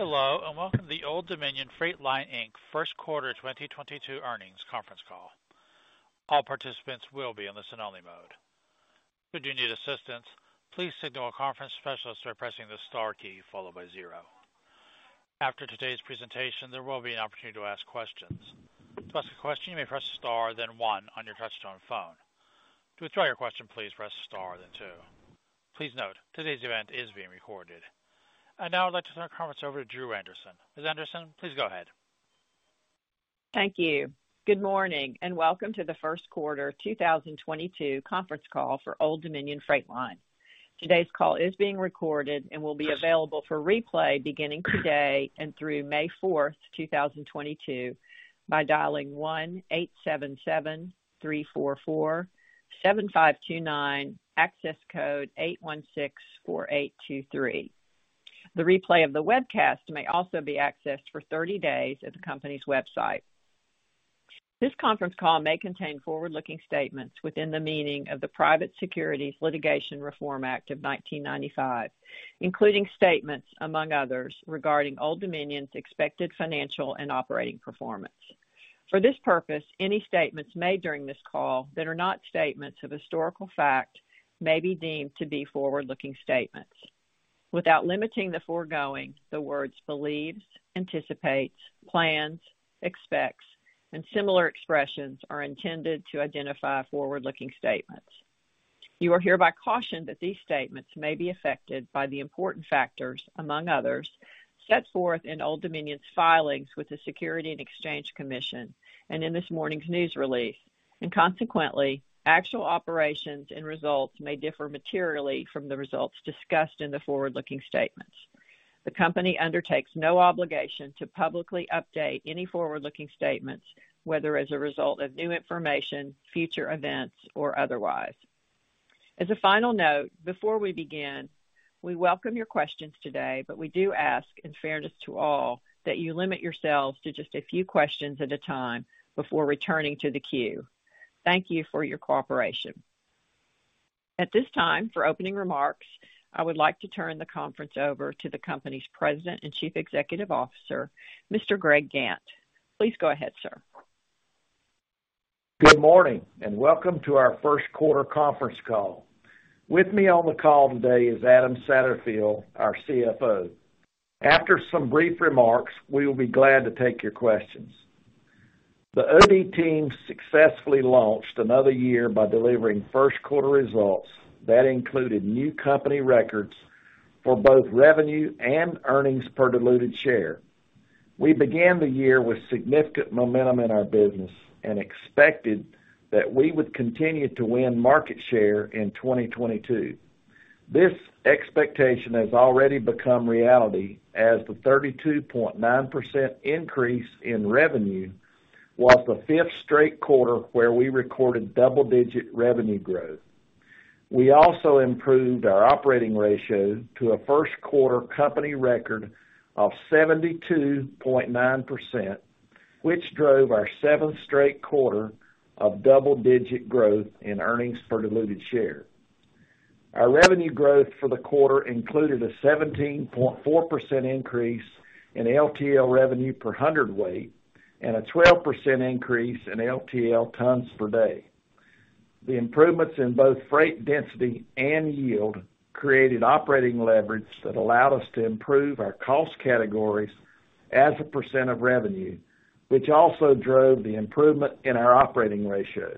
Hello, and welcome to the Old Dominion Freight Line, Inc first quarter 2022 earnings conference call. All participants will be in listen only mode. Should you need assistance, please signal a conference specialist by pressing the star key followed by zero. After today's presentation, there will be an opportunity to ask questions. To ask a question, you may press star then one on your touchtone phone. To withdraw your question, please press star then two. Please note, today's event is being recorded. Now I'd like to turn the conference over to Drew Andersen. Ms. Andersen, please go ahead. Thank you. Good morning, and welcome to the first quarter 2022 conference call for Old Dominion Freight Line. Today's call is being recorded and will be available for replay beginning today and through May 4th, 2022 by dialing 1-877-344-7529, access code 8164823. The replay of the webcast may also be accessed for 30 days at the company's website. This conference call may contain forward-looking statements within the meaning of the Private Securities Litigation Reform Act of 1995, including statements, among others, regarding Old Dominion's expected financial and operating performance. For this purpose, any statements made during this call that are not statements of historical fact may be deemed to be forward-looking statements. Without limiting the foregoing, the words believes, anticipates, plans, expects, and similar expressions are intended to identify forward-looking statements. You are hereby cautioned that these statements may be affected by the important factors, among others, set forth in Old Dominion's filings with the Securities and Exchange Commission and in this morning's news release. Consequently, actual operations and results may differ materially from the results discussed in the forward-looking statements. The company undertakes no obligation to publicly update any forward-looking statements, whether as a result of new information, future events, or otherwise. As a final note, before we begin, we welcome your questions today, but we do ask, in fairness to all, that you limit yourselves to just a few questions at a time before returning to the queue. Thank you for your cooperation. At this time, for opening remarks, I would like to turn the conference over to the company's President and Chief Executive Officer, Mr. Greg Gantt. Please go ahead, sir. Good morning, and welcome to our first quarter conference call. With me on the call today is Adam Satterfield, our CFO. After some brief remarks, we will be glad to take your questions. The OD team successfully launched another year by delivering first quarter results that included new company records for both revenue and earnings per diluted share. We began the year with significant momentum in our business and expected that we would continue to win market share in 2022. This expectation has already become reality as the 32.9% increase in revenue was the fifth straight quarter where we recorded double-digit revenue growth. We also improved our operating ratio to a first quarter company record of 72.9%, which drove our seventh straight quarter of double-digit growth in earnings per diluted share. Our revenue growth for the quarter included a 17.4% increase in LTL revenue per hundredweight and a 12% increase in LTL tons per day. The improvements in both freight density and yield created operating leverage that allowed us to improve our cost categories as a percent of revenue, which also drove the improvement in our operating ratio.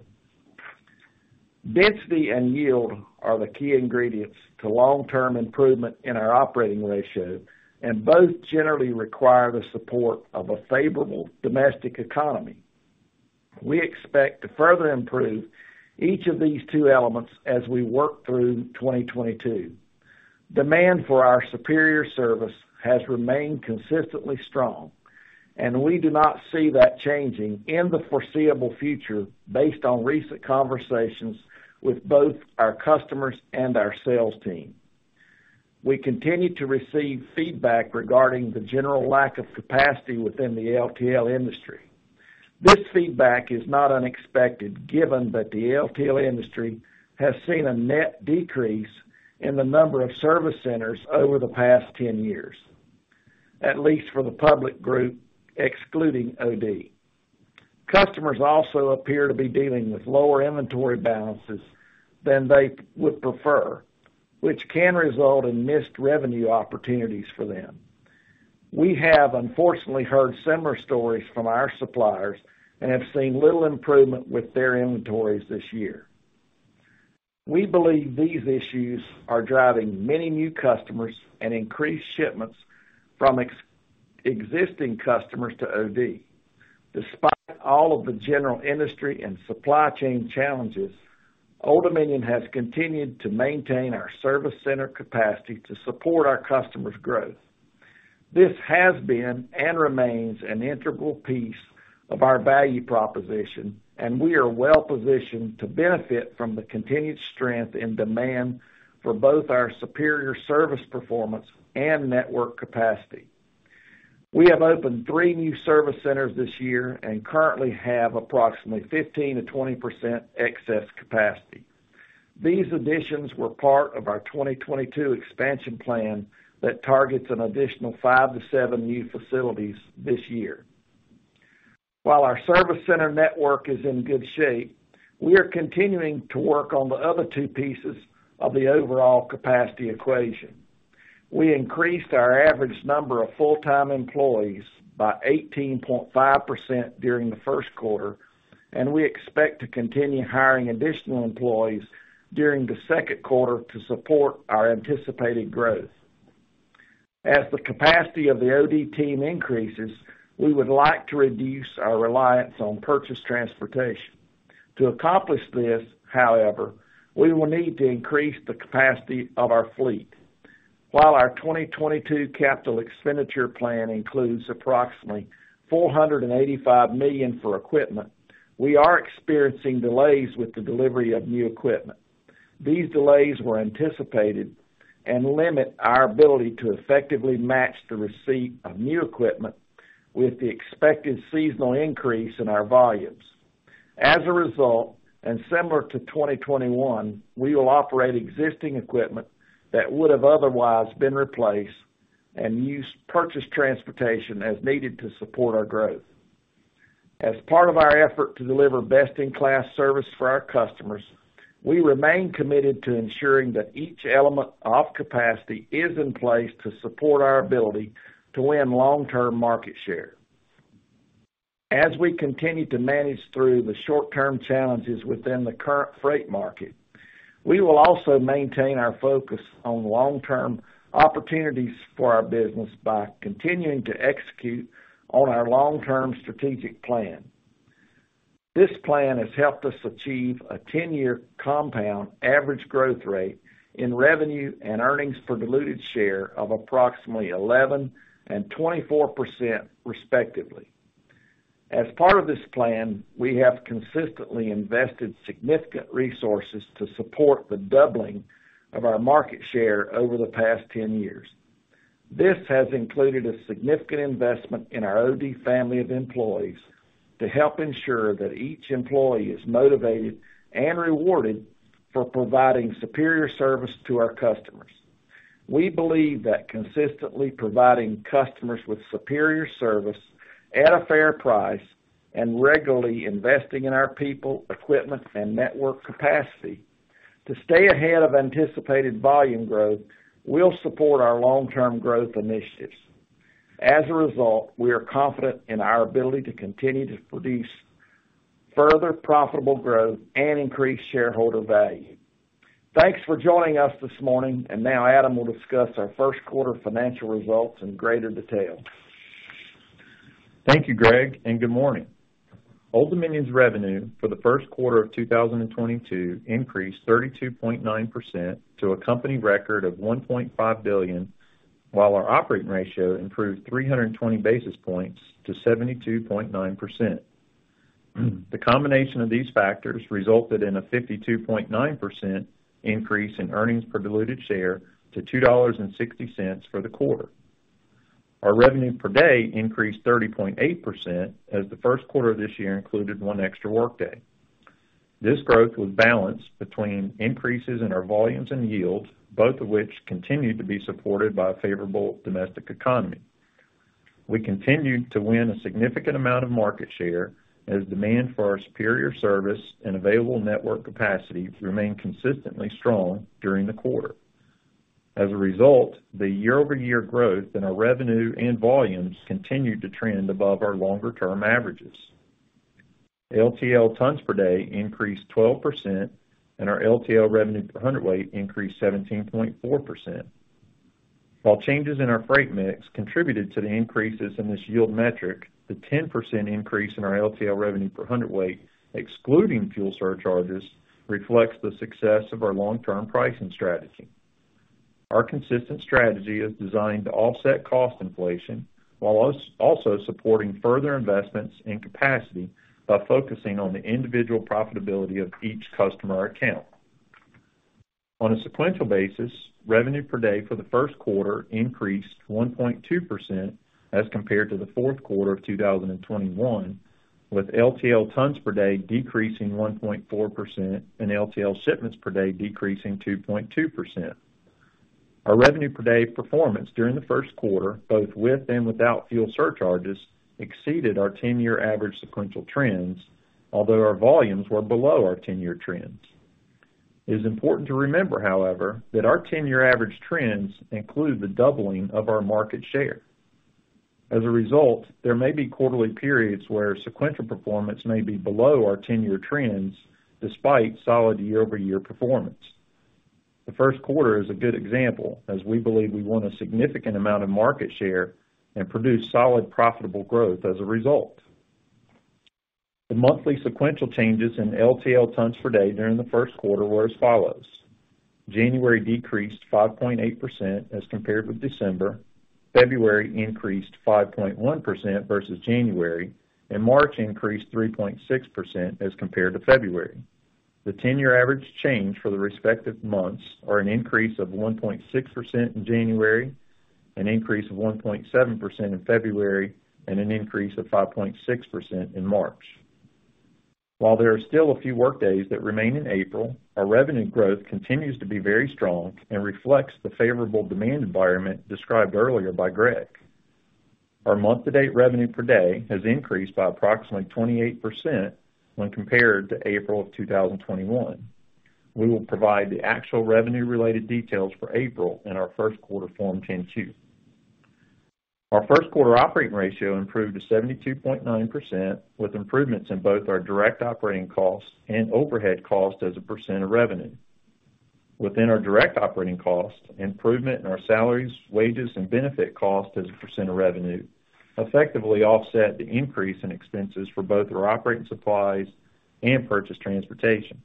Density and yield are the key ingredients to long-term improvement in our operating ratio, and both generally require the support of a favorable domestic economy. We expect to further improve each of these two elements as we work through 2022. Demand for our superior service has remained consistently strong, and we do not see that changing in the foreseeable future based on recent conversations with both our customers and our sales team. We continue to receive feedback regarding the general lack of capacity within the LTL industry. This feedback is not unexpected, given that the LTL industry has seen a net decrease in the number of service centers over the past 10 years, at least for the public group excluding OD. Customers also appear to be dealing with lower inventory balances than they would prefer, which can result in missed revenue opportunities for them. We have unfortunately heard similar stories from our suppliers and have seen little improvement with their inventories this year. We believe these issues are driving many new customers and increased shipments from existing customers to OD. Despite all of the general industry and supply chain challenges, Old Dominion has continued to maintain our service center capacity to support our customers' growth. This has been and remains an integral piece of our value proposition, and we are well positioned to benefit from the continued strength and demand for both our superior service performance and network capacity. We have opened three new service centers this year and currently have approximately 15%-20% excess capacity. These additions were part of our 2022 expansion plan that targets an additional five to seven new facilities this year. While our service center network is in good shape, we are continuing to work on the other two pieces of the overall capacity equation. We increased our average number of full-time employees by 18.5% during the first quarter, and we expect to continue hiring additional employees during the second quarter to support our anticipated growth. As the capacity of the OD team increases, we would like to reduce our reliance on purchased transportation. To accomplish this, however, we will need to increase the capacity of our fleet. While our 2022 capital expenditure plan includes approximately $485 million for equipment, we are experiencing delays with the delivery of new equipment. These delays were anticipated and limit our ability to effectively match the receipt of new equipment with the expected seasonal increase in our volumes. As a result, and similar to 2021, we will operate existing equipment that would have otherwise been replaced and use purchased transportation as needed to support our growth. As part of our effort to deliver best-in-class service for our customers, we remain committed to ensuring that each element of capacity is in place to support our ability to win long-term market share. As we continue to manage through the short-term challenges within the current freight market, we will also maintain our focus on long-term opportunities for our business by continuing to execute on our long-term strategic plan. This plan has helped us achieve a 10-year compound average growth rate in revenue and earnings per diluted share of approximately 11% and 24%, respectively. As part of this plan, we have consistently invested significant resources to support the doubling of our market share over the past 10 years. This has included a significant investment in our OD family of employees to help ensure that each employee is motivated and rewarded for providing superior service to our customers. We believe that consistently providing customers with superior service at a fair price and regularly investing in our people, equipment, and network capacity to stay ahead of anticipated volume growth will support our long-term growth initiatives. As a result, we are confident in our ability to continue to produce further profitable growth and increase shareholder value. Thanks for joining us this morning. Now Adam will discuss our first quarter financial results in greater detail. Thank you, Greg, and good morning. Old Dominion's revenue for the first quarter of 2022 increased 32.9% to a company record of $1.5 billion, while our operating ratio improved 320 basis points to 72.9%. The combination of these factors resulted in a 52.9% increase in earnings per diluted share to $2.60 for the quarter. Our revenue per day increased 30.8% as the first quarter of this year included one extra workday. This growth was balanced between increases in our volumes and yields, both of which continued to be supported by a favorable domestic economy. We continued to win a significant amount of market share as demand for our superior service and available network capacity remained consistently strong during the quarter. As a result, the year-over-year growth in our revenue and volumes continued to trend above our longer term averages. LTL tons per day increased 12% and our LTL revenue per hundredweight increased 17.4%. While changes in our freight mix contributed to the increases in this yield metric, the 10% increase in our LTL revenue per hundredweight, excluding fuel surcharges, reflects the success of our long-term pricing strategy. Our consistent strategy is designed to offset cost inflation while also supporting further investments in capacity by focusing on the individual profitability of each customer account. On a sequential basis, revenue per day for the first quarter increased 1.2% as compared to the fourth quarter of 2021, with LTL tons per day decreasing 1.4% and LTL shipments per day decreasing 2.2%. Our revenue per day performance during the first quarter, both with and without fuel surcharges, exceeded our 10-year average sequential trends, although our volumes were below our 10-year trends. It is important to remember, however, that our 10-year average trends include the doubling of our market share. As a result, there may be quarterly periods where sequential performance may be below our 10-year trends despite solid year-over-year performance. The first quarter is a good example as we believe we won a significant amount of market share and produced solid, profitable growth as a result. The monthly sequential changes in LTL tons per day during the first quarter were as follows: January decreased 5.8% as compared with December, February increased 5.1% versus January, and March increased 3.6% as compared to February. The 10-year average change for the respective months are an increase of 1.6% in January, an increase of 1.7% in February, and an increase of 5.6% in March. While there are still a few work days that remain in April, our revenue growth continues to be very strong and reflects the favorable demand environment described earlier by Greg. Our month-to-date revenue per day has increased by approximately 28% when compared to April of 2021. We will provide the actual revenue related details for April in our first quarter Form 10-Q. Our first quarter operating ratio improved to 72.9%, with improvements in both our direct operating costs and overhead costs as a percent of revenue. Within our direct operating costs, improvement in our salaries, wages, and benefit costs as a percent of revenue effectively offset the increase in expenses for both our operating supplies and purchased transportation.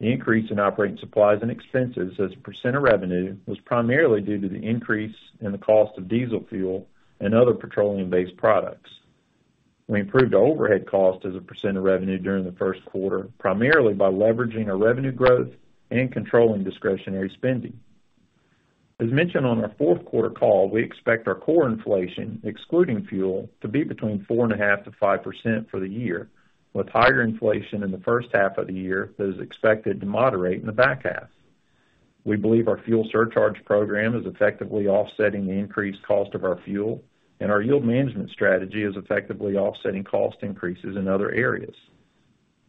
The increase in operating supplies and expenses as a percent of revenue was primarily due to the increase in the cost of diesel fuel and other petroleum-based products. We improved the overhead cost as a percent of revenue during the first quarter, primarily by leveraging our revenue growth and controlling discretionary spending. As mentioned on our fourth quarter call, we expect our core inflation, excluding fuel, to be between 4.5%-5% for the year, with higher inflation in the first half of the year that is expected to moderate in the back half. We believe our fuel surcharge program is effectively offsetting the increased cost of our fuel, and our yield management strategy is effectively offsetting cost increases in other areas.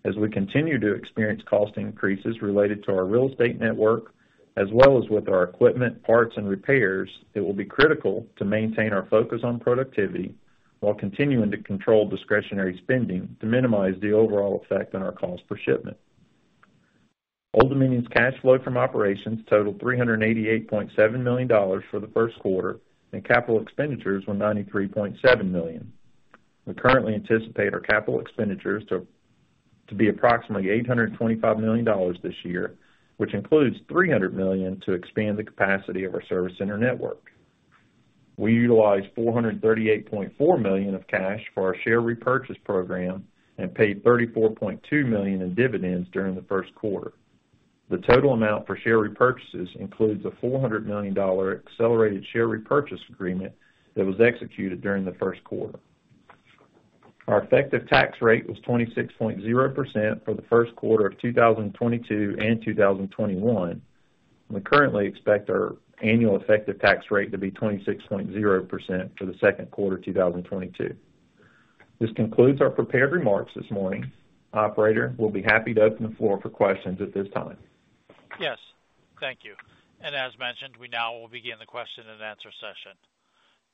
As we continue to experience cost increases related to our real estate network, as well as with our equipment, parts, and repairs, it will be critical to maintain our focus on productivity while continuing to control discretionary spending to minimize the overall effect on our cost per shipment. Old Dominion's cash flow from operations totaled $388.7 million for the first quarter, and capital expenditures were $93.7 million. We currently anticipate our capital expenditures to be approximately $825 million this year, which includes $300 million to expand the capacity of our service center network. We utilized $438.4 million of cash for our share repurchase program and paid $34.2 million in dividends during the first quarter. The total amount for share repurchases includes a $400 million accelerated share repurchase agreement that was executed during the first quarter. Our effective tax rate was 26.0% for the first quarter of 2022 and 2021. We currently expect our annual effective tax rate to be 26.0% for the second quarter 2022. This concludes our prepared remarks this morning. Operator, we'll be happy to open the floor for questions at this time. Yes. Thank you. As mentioned, we now will begin the question and answer session.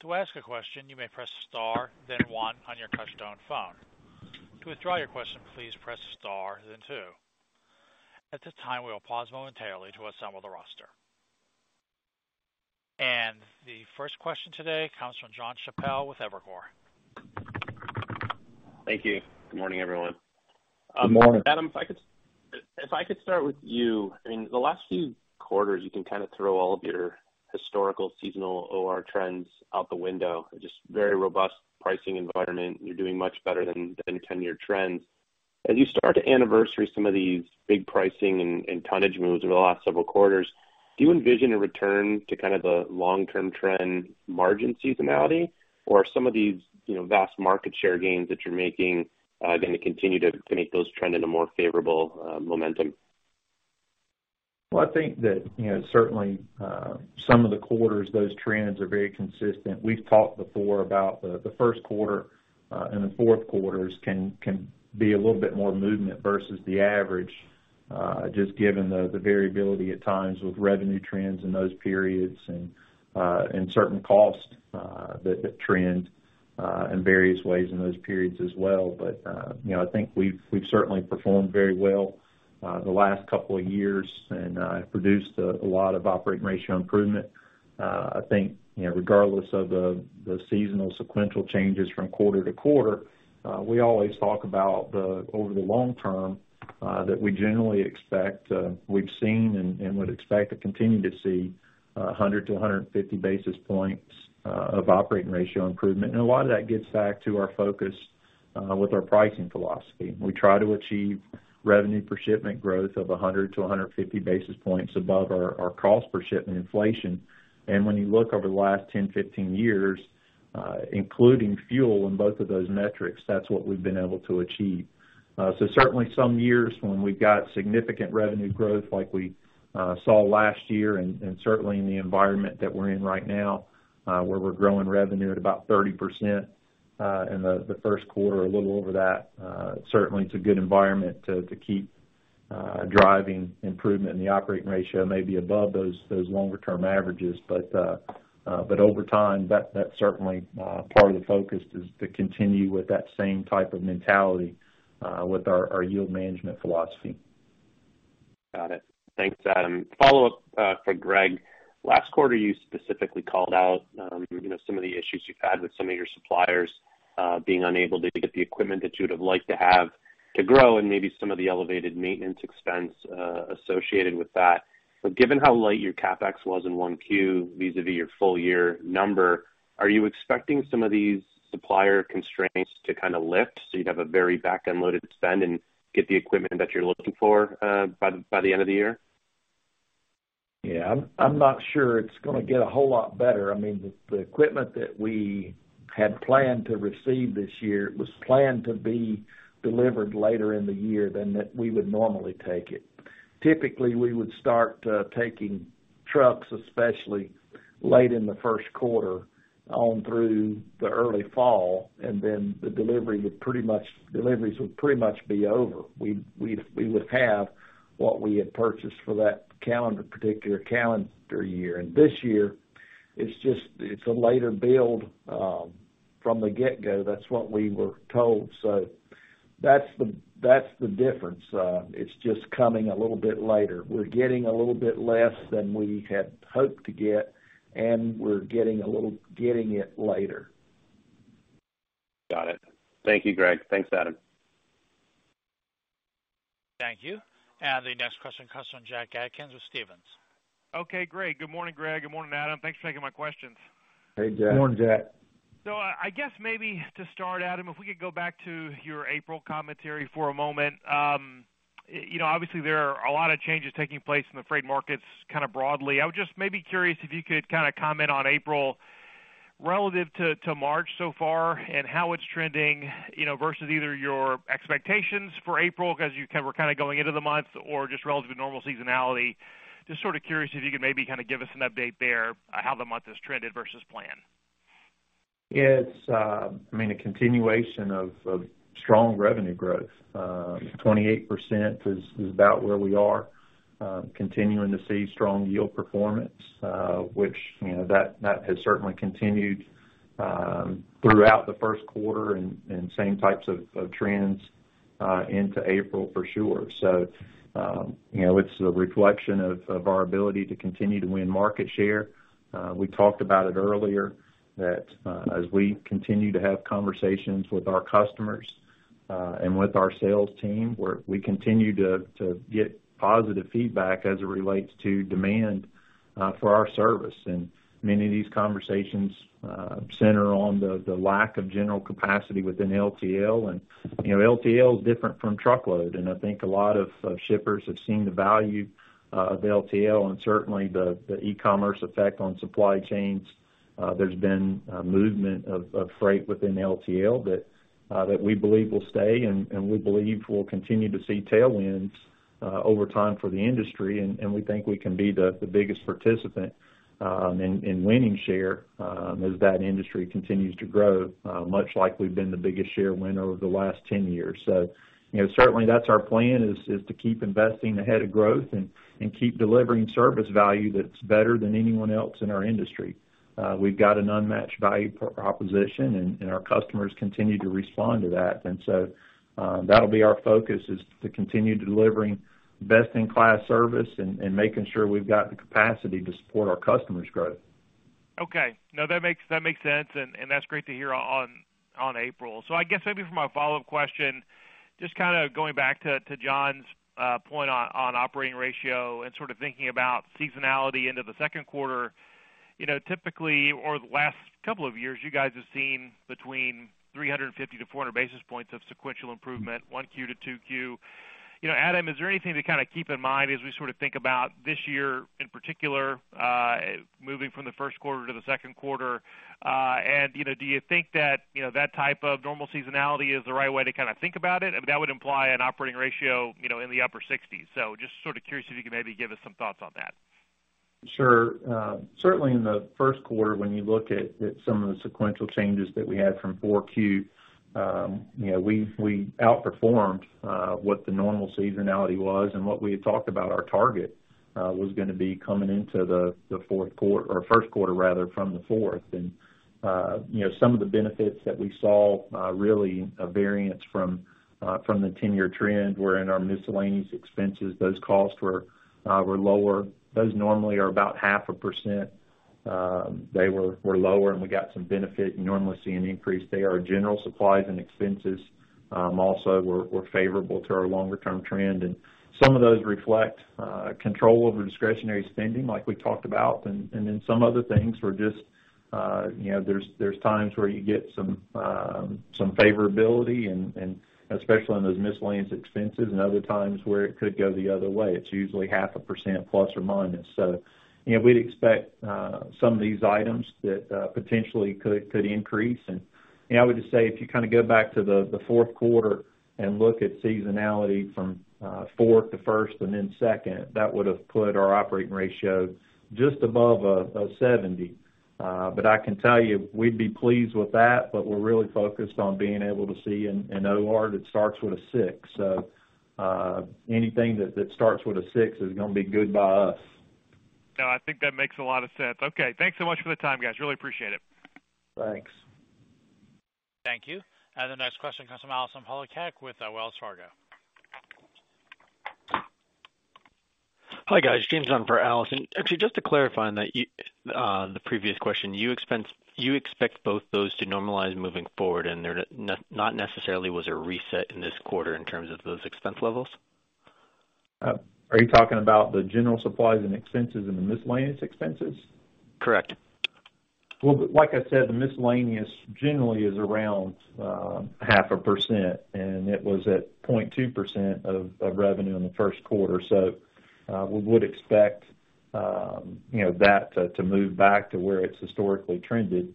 To ask a question, you may press star, then one on your touch-tone phone. To withdraw your question, please press star then two. At this time, we will pause momentarily to assemble the roster. The first question today comes from Jon Chappell with Evercore. Thank you. Good morning, everyone. Good morning. Adam, if I could start with you. I mean, the last few quarters you can kind of throw all of your historical seasonal OR trends out the window. Just very robust pricing environment. You're doing much better than 10-year trends. As you start to anniversary some of these big pricing and tonnage moves over the last several quarters, do you envision a return to kind of the long-term trend margin seasonality? Or some of these, you know, vast market share gains that you're making, going to continue to make those trend in a more favorable momentum? Well, I think that, you know, certainly, some of the quarters, those trends are very consistent. We've talked before about the first quarter, and the fourth quarters can be a little bit more movement versus the average, just given the variability at times with revenue trends in those periods and certain costs that trend in various ways in those periods as well. You know, I think we've certainly performed very well, the last couple of years and produced a lot of operating ratio improvement. I think, you know, regardless of the seasonal sequential changes from quarter to quarter, we always talk about, over the long term, that we generally expect, we've seen and would expect to continue to see, 100-150 basis points of operating ratio improvement. A lot of that gets back to our focus with our pricing philosophy. We try to achieve revenue per shipment growth of 100-150 basis points above our cost per shipment inflation. When you look over the last 10, 15 years, including fuel in both of those metrics, that's what we've been able to achieve. Certainly some years when we've got significant revenue growth like we saw last year and certainly in the environment that we're in right now, where we're growing revenue at about 30%, in the first quarter, a little over that. Certainly it's a good environment to keep driving improvement in the operating ratio, maybe above those longer term averages. Over time, that's certainly part of the focus is to continue with that same type of mentality, with our yield management philosophy. Got it. Thanks, Adam. Follow-up for Greg. Last quarter, you specifically called out, you know, some of the issues you've had with some of your suppliers, being unable to get the equipment that you would have liked to have to grow and maybe some of the elevated maintenance expense associated with that. But given how light your CapEx was in 1Q vis-a-vis your full year number, are you expecting some of these supplier constraints to kind of lift so you'd have a very back-end loaded spend and get the equipment that you're looking for by the end of the year? Yeah, I'm not sure it's gonna get a whole lot better. I mean, the equipment that we had planned to receive this year was planned to be delivered later in the year than that we would normally take it. Typically, we would start taking trucks, especially late in the first quarter on through the early fall, and then deliveries would pretty much be over. We would have what we had purchased for that calendar, particular calendar year. This year, it's just it's a later build from the get-go. That's what we were told. That's the difference. It's just coming a little bit later. We're getting a little bit less than we had hoped to get, and we're getting it later. Got it. Thank you, Greg. Thanks, Adam. Thank you. The next question comes from Jack Atkins with Stephens. Okay, great. Good morning, Greg. Good morning, Adam. Thanks for taking my questions. Hey, Jack. Good morning, Jack. I guess maybe to start, Adam, if we could go back to your April commentary for a moment. You know, obviously there are a lot of changes taking place in the freight markets kind of broadly. I was just maybe curious if you could kinda comment on April relative to March so far and how it's trending, you know, versus either your expectations for April as you were kinda going into the month or just relative to normal seasonality. Just sort of curious if you could maybe kinda give us an update there, how the month has trended versus plan. It's, I mean, a continuation of strong revenue growth. 28% is about where we are. Continuing to see strong yield performance, which you know that has certainly continued throughout the first quarter and same types of trends into April, for sure. You know, it's a reflection of our ability to continue to win market share. We talked about it earlier that as we continue to have conversations with our customers and with our sales team, we continue to get positive feedback as it relates to demand for our service. Many of these conversations center on the lack of general capacity within LTL. You know, LTL is different from truckload, and I think a lot of shippers have seen the value of LTL and certainly the e-commerce effect on supply chains. There's been a movement of freight within LTL that we believe will stay and we believe we'll continue to see tailwinds over time for the industry. We think we can be the biggest participant in winning share as that industry continues to grow, much like we've been the biggest share winner over the last 10 years. You know, certainly that's our plan is to keep investing ahead of growth and keep delivering service value that's better than anyone else in our industry. We've got an unmatched value proposition, and our customers continue to respond to that. That'll be our focus, is to continue delivering best-in-class service and making sure we've got the capacity to support our customers' growth. Okay. No, that makes sense. That's great to hear on April. I guess maybe for my follow-up question, just kinda going back to Jon point on operating ratio and sort of thinking about seasonality into the second quarter. You know, typically, or the last couple of years, you guys have seen between 350-400 basis points of sequential improvement, 1Q to 2Q. You know, Adam, is there anything to kinda keep in mind as we sort of think about this year, in particular, moving from the first quarter to the second quarter? And, you know, do you think that, you know, that type of normal seasonality is the right way to kinda think about it? I mean, that would imply an operating ratio, you know, in the upper 60s. Just sort of curious if you could maybe give us some thoughts on that. Sure. Certainly in the first quarter, when you look at some of the sequential changes that we had from 4Q, you know, we outperformed what the normal seasonality was and what we had talked about. Our target was gonna be coming into the first quarter rather from the fourth. You know, some of the benefits that we saw really a variance from the 10-year trend were in our miscellaneous expenses. Those costs were lower. Those normally are about 0.5%. They were lower, and we got some benefit. You normally see an increase. They are general supplies and expenses also were favorable to our longer term trend. Some of those reflect control over discretionary spending, like we talked about. Then some other things were just, you know, there are times where you get some favorability and especially on those miscellaneous expenses and other times where it could go the other way. It's usually 0.5%, plus or minus. You know, we'd expect some of these items that potentially could increase. You know, I would just say if you kinda go back to the fourth quarter and look at seasonality from fourth to first and then second, that would have put our operating ratio just above 70%. But I can tell you we'd be pleased with that, but we're really focused on being able to see an OR that starts with a 6. Anything that starts with a 6 is gonna be good by us. No, I think that makes a lot of sense. Okay, thanks so much for the time, guys. Really appreciate it. Thanks. Thank you. The next question comes from Allison Poliniak with Wells Fargo. Hi, guys. James on for Allison. Actually, just to clarify on that, the previous question, you expect both those to normalize moving forward, and they're not necessarily was a reset in this quarter in terms of those expense levels? Are you talking about the general supplies and expenses and the miscellaneous expenses? Correct. Well, like I said, the miscellaneous generally is around 0.5%, and it was at 0.2% of revenue in the first quarter. We would expect you know that to move back to where it's historically trended.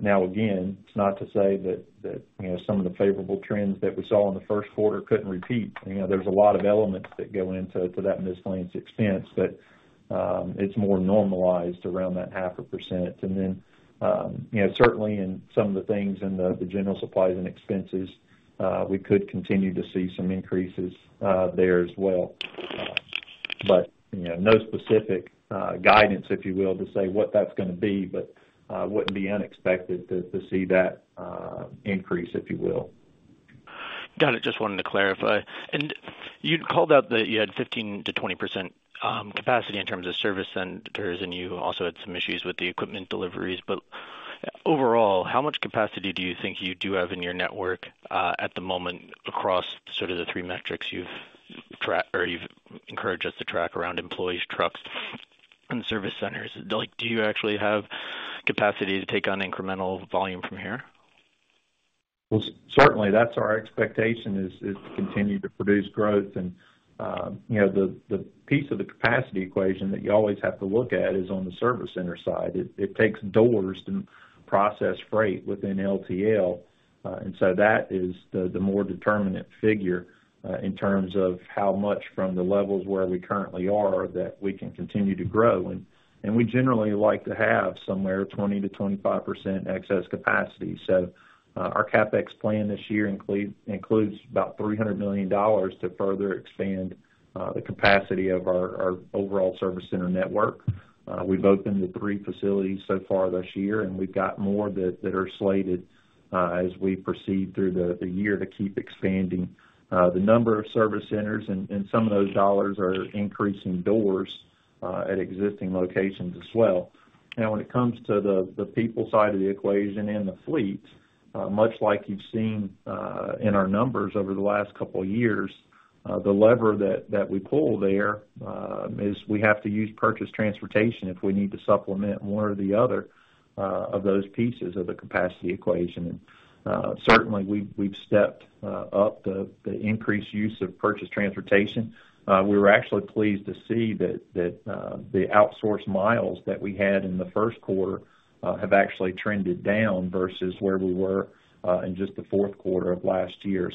Now again, it's not to say that you know some of the favorable trends that we saw in the first quarter couldn't repeat. You know, there's a lot of elements that go into that miscellaneous expense, but it's more normalized around that 0.5%. You know, certainly in some of the things in the general supplies and expenses, we could continue to see some increases there as well. You know, no specific guidance, if you will, to say what that's gonna be, but wouldn't be unexpected to see that increase, if you will. Got it. Just wanted to clarify. You'd called out that you had 15%-20% capacity in terms of service centers, and you also had some issues with the equipment deliveries. Overall, how much capacity do you think you do have in your network, at the moment across sort of the three metrics you've encouraged us to track around employees, trucks, and service centers? Like, do you actually have capacity to take on incremental volume from here? Well, certainly that's our expectation is to continue to produce growth. You know, the piece of the capacity equation that you always have to look at is on the service center side. It takes doors to process freight within LTL. That is the more determinant figure in terms of how much from the levels where we currently are that we can continue to grow. We generally like to have somewhere 20%-25% excess capacity. Our CapEx plan this year includes about $300 million to further expand the capacity of our overall service center network. We've opened the three facilities so far this year, and we've got more that are slated as we proceed through the year to keep expanding the number of service centers, and some of those dollars are increasing doors at existing locations as well. Now, when it comes to the people side of the equation and the fleet, much like you've seen in our numbers over the last couple of years, the lever that we pull there is we have to use purchased transportation if we need to supplement one or the other of those pieces of the capacity equation. Certainly we've stepped up the increased use of purchased transportation. We were actually pleased to see that the outsourced miles that we had in the first quarter have actually trended down versus where we were in just the fourth quarter of last year.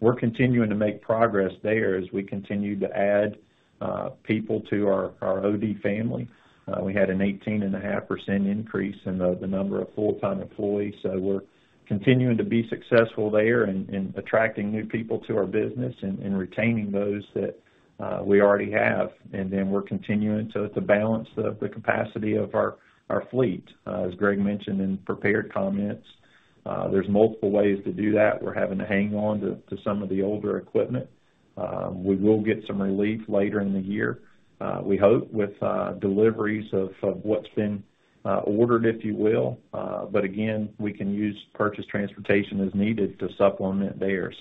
We're continuing to make progress there as we continue to add people to our OD family. We had an 18.5% increase in the number of full-time employees, so we're continuing to be successful there in attracting new people to our business and retaining those that we already have. We're continuing to balance the capacity of our fleet. As Greg mentioned in prepared comments, there's multiple ways to do that. We're having to hang on to some of the older equipment. We will get some relief later in the year, we hope, with deliveries of what's been ordered, if you will. But again, we can use purchased transportation as needed to supplement there.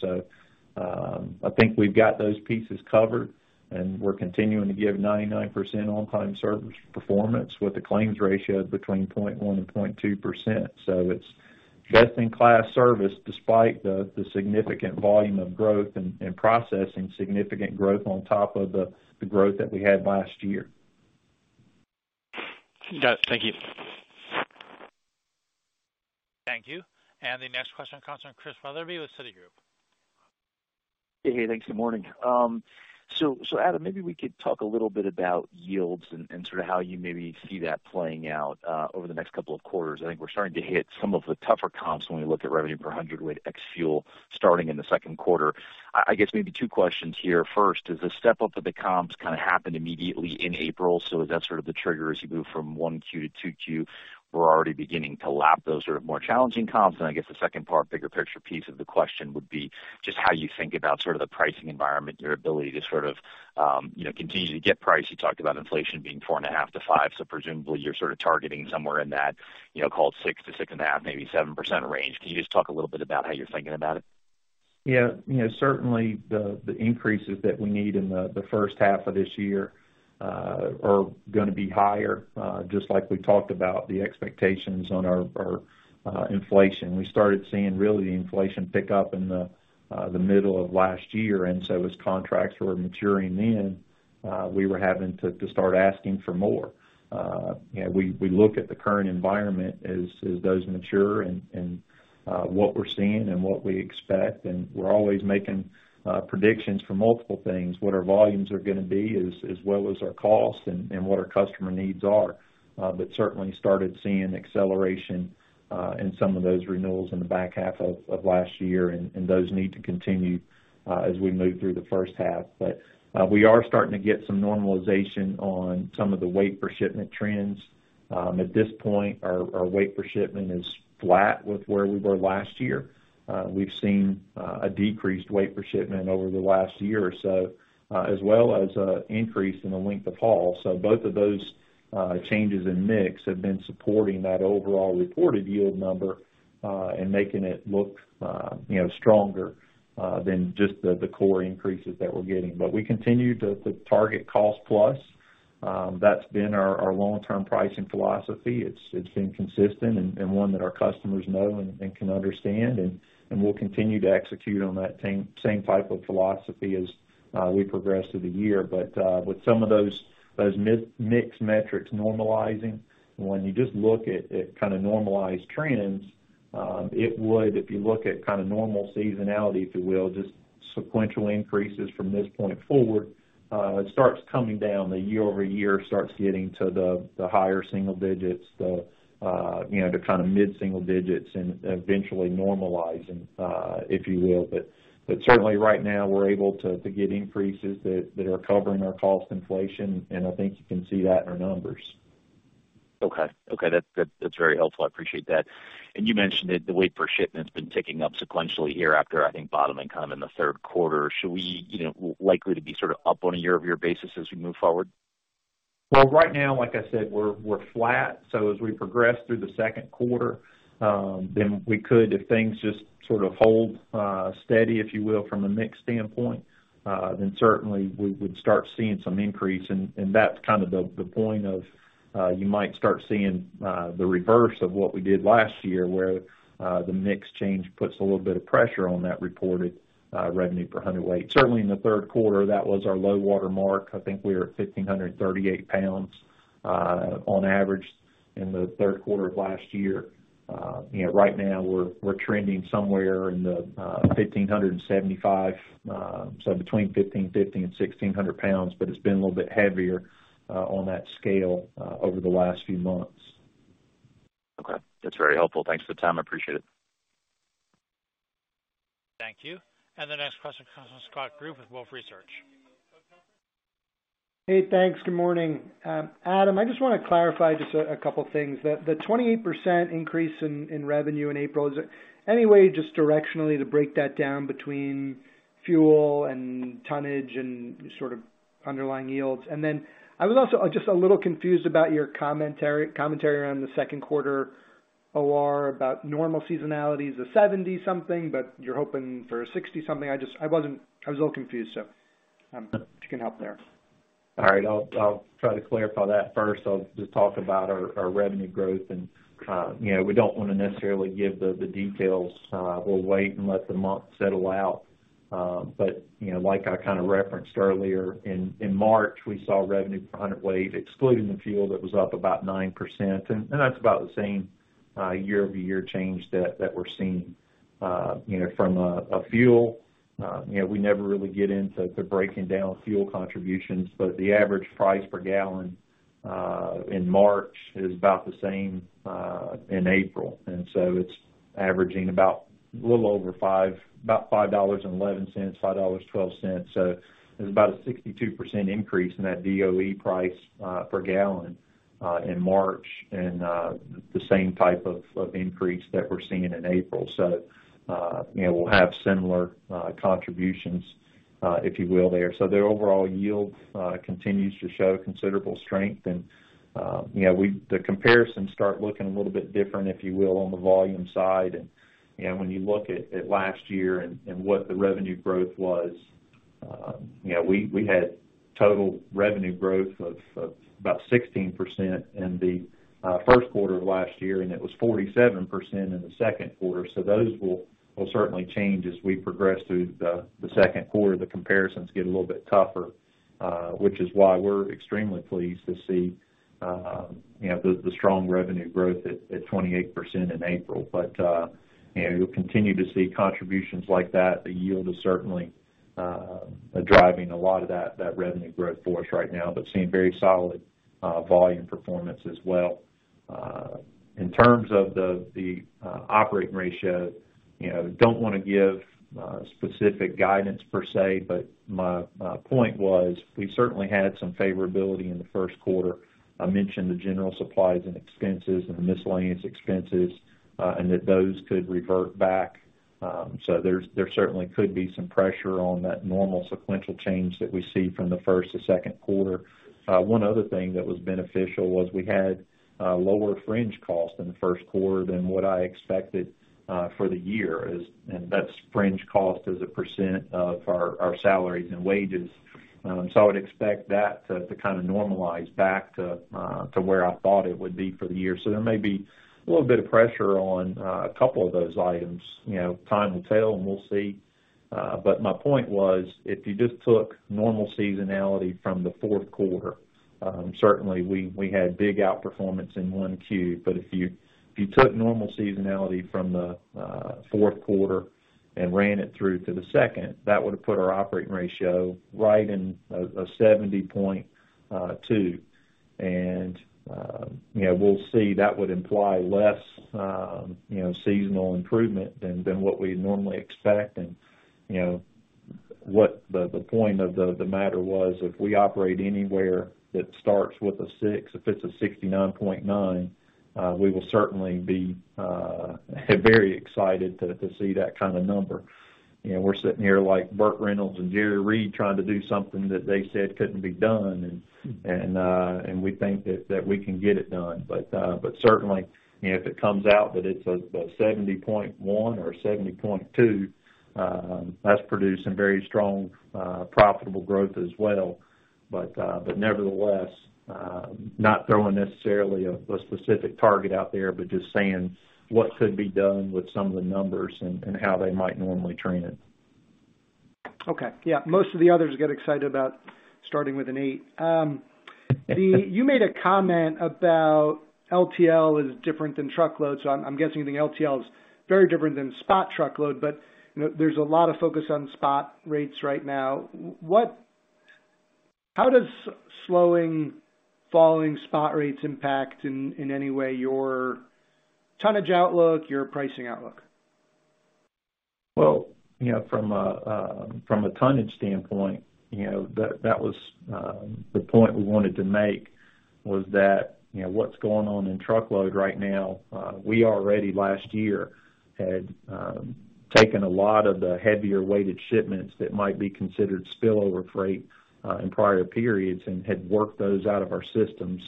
I think we've got those pieces covered, and we're continuing to give 99% on-time service performance with the claims ratio between 0.1% and 0.2%. It's best-in-class service despite the significant volume of growth and processing significant growth on top of the growth that we had last year. Got it. Thank you. Thank you. The next question comes from Chris Wetherbee with Citigroup. Hey. Thanks. Good morning. Adam, maybe we could talk a little bit about yields and sort of how you maybe see that playing out over the next couple of quarters. I think we're starting to hit some of the tougher comps when we look at revenue per hundredweight ex-fuel starting in the second quarter. I guess maybe two questions here. First is the step up of the comps kinda happened immediately in April, so is that sort of the trigger as you move from 1Q to 2Q? We're already beginning to lap those sort of more challenging comps. I guess the second part, bigger picture piece of the question would be just how you think about sort of the pricing environment, your ability to sort of you know continue to get price. You talked about inflation being 4.5%-5%, so presumably you're sort of targeting somewhere in that, you know, call it 6%-6.5%, maybe 7% range. Can you just talk a little bit about how you're thinking about it? Yeah. You know, certainly the increases that we need in the first half of this year are gonna be higher, just like we talked about the expectations on our inflation. We started seeing really the inflation pick up in the middle of last year. As contracts were maturing then, we were having to start asking for more. You know, we look at the current environment as those mature and what we're seeing and what we expect, and we're always making predictions for multiple things, what our volumes are gonna be, as well as our cost and what our customer needs are. Certainly started seeing acceleration in some of those renewals in the back half of last year, and those need to continue as we move through the first half. We are starting to get some normalization on some of the weight per shipment trends. At this point, our weight per shipment is flat with where we were last year. We've seen a decreased weight per shipment over the last year or so, as well as increase in the length of haul. Both of those changes in mix have been supporting that overall reported yield number, and making it look, you know, stronger than just the core increases that we're getting. We continue to target cost plus. That's been our long-term pricing philosophy. It's been consistent and one that our customers know and can understand, and we'll continue to execute on that same type of philosophy as we progress through the year. With some of those mix metrics normalizing, when you just look at kinda normalized trends, it would if you look at kind of normal seasonality, if you will, just sequential increases from this point forward, it starts coming down. The year-over-year starts getting to the higher single digits, you know, the kinda mid-single digits and eventually normalizing, if you will. Certainly right now, we're able to get increases that are covering our cost inflation, and I think you can see that in our numbers. Okay. That's very helpful. I appreciate that. You mentioned that the weight per shipment's been ticking up sequentially year after, I think, bottoming kind of in the third quarter. Should we, you know, likely to be sort of up on a year-over-year basis as we move forward? Well, right now, like I said, we're flat. As we progress through the second quarter, then we could, if things just sort of hold steady, if you will, from a mix standpoint, then certainly we would start seeing some increase. That's kind of the point of you might start seeing the reverse of what we did last year, where the mix change puts a little bit of pressure on that reported revenue per hundredweight. Certainly in the third quarter, that was our low water mark. I think we were at 1,538 lbs on average in the third quarter of last year. You know, right now we're trending somewhere in the 1,575 lbs, so between 1,550 lbs and 1,600 lbs, but it's been a little bit heavier on that scale over the last few months. Okay. That's very helpful. Thanks for the time. I appreciate it. Thank you. The next question comes from Scott Group with Wolfe Research. Hey, thanks. Good morning. Adam, I just wanna clarify a couple things. The 28% increase in revenue in April, is there any way just directionally to break that down between fuel and tonnage and sort of underlying yields? Then I was also just a little confused about your commentary around the second quarter OR about normal seasonality is a 70-something, but you're hoping for a 60-something. I was a little confused, so if you can help there. All right. I'll try to clarify that. First, I'll just talk about our revenue growth and you know, we don't wanna necessarily give the details. We'll wait and let the month settle out. But you know, like I kinda referenced earlier, in March, we saw revenue per hundredweight excluding the fuel that was up about 9%. And that's about the same year-over-year change that we're seeing. You know, from a fuel you know, we never really get into breaking down fuel contributions, but the average price per gallon in March is about the same in April. And so it's averaging about a little over $5, about $5.11, $5.12. It's about a 62% increase in that DOE price per gallon in March and the same type of increase that we're seeing in April. You know, we'll have similar contributions, if you will, there. The overall yield continues to show considerable strength and, you know, the comparisons start looking a little bit different, if you will, on the volume side. You know, when you look at last year and what the revenue growth was, you know, we had total revenue growth of about 16% in the first quarter of last year, and it was 47% in the second quarter. Those will certainly change as we progress through the second quarter. The comparisons get a little bit tougher, which is why we're extremely pleased to see, you know, the strong revenue growth at 28% in April. You know, we'll continue to see contributions like that. The yield is certainly driving a lot of that revenue growth for us right now, but seeing very solid volume performance as well. In terms of the operating ratio, you know, don't wanna give specific guidance per se, but my point was we certainly had some favorability in the first quarter. I mentioned the general supplies and expenses and the miscellaneous expenses, and that those could revert back. There certainly could be some pressure on that normal sequential change that we see from the first to second quarter. One other thing that was beneficial was we had lower fringe cost in the first quarter than what I expected for the year, and that's fringe cost as a percent of our salaries and wages. I would expect that to kinda normalize back to where I thought it would be for the year. There may be a little bit of pressure on a couple of those items. You know, time will tell, and we'll see. My point was, if you just took normal seasonality from the fourth quarter, certainly we had big outperformance in 1Q. If you took normal seasonality from the fourth quarter and ran it through to the second, that would have put our operating ratio right in a 70.2%. You know, we'll see. That would imply less, you know, seasonal improvement than what we normally expect. You know, what the point of the matter was, if we operate anywhere that starts with a 6, if it's a 69.9%, we will certainly be very excited to see that kind of number. You know, we're sitting here like Burt Reynolds and Jerry Reed trying to do something that they said couldn't be done and we think that we can get it done. Certainly, you know, if it comes out that it's a 70.1% or a 70.2%, that's produced some very strong, profitable growth as well. Nevertheless, not throwing necessarily a specific target out there, but just saying what could be done with some of the numbers and how they might normally trend it. Okay. Yeah. Most of the others get excited about starting with an 8. You made a comment about LTL is different than truckload, so I'm guessing the LTL is very different than spot truckload. You know, there's a lot of focus on spot rates right now. How does slowing, falling spot rates impact in any way your tonnage outlook, your pricing outlook? Well, you know, from a tonnage standpoint, you know, that was the point we wanted to make was that, you know, what's going on in truckload right now, we already last year had taken a lot of the heavier weighted shipments that might be considered spillover freight in prior periods and had worked those out of our system.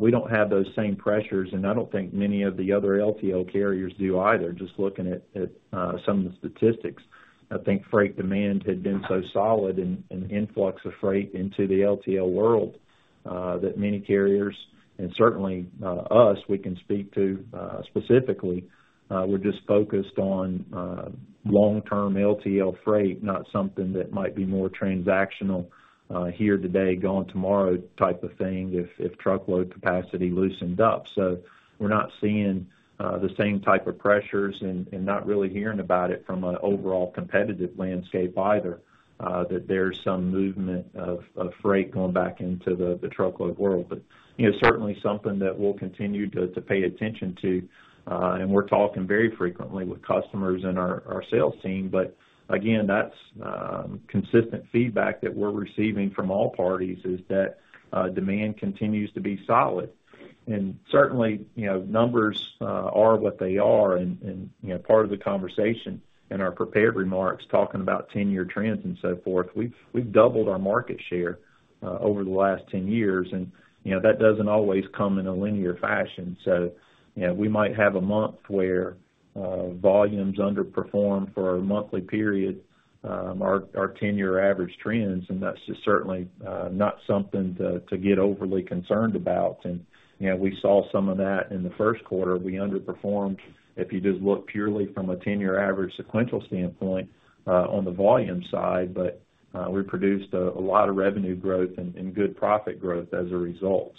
We don't have those same pressures, and I don't think many of the other LTL carriers do either, just looking at some of the statistics. I think freight demand had been so solid and an influx of freight into the LTL world, that many carriers, and certainly us, we can speak to specifically, we're just focused on long-term LTL freight, not something that might be more transactional, here today, gone tomorrow type of thing if truckload capacity loosened up. We're not seeing the same type of pressures and not really hearing about it from an overall competitive landscape either, that there's some movement of freight going back into the truckload world. You know, certainly something that we'll continue to pay attention to, and we're talking very frequently with customers and our sales team. Again, that's consistent feedback that we're receiving from all parties is that demand continues to be solid. Certainly, you know, numbers are what they are and, you know, part of the conversation in our prepared remarks, talking about 10-year trends and so forth, we've doubled our market share over the last 10 years and, you know, that doesn't always come in a linear fashion. You know, we might have a month where volumes underperform, for a monthly period, our 10-year average trends, and that's just certainly not something to get overly concerned about. You know, we saw some of that in the first quarter. We underperformed if you just look purely from a 10-year average sequential standpoint on the volume side. We produced a lot of revenue growth and good profit growth as a result.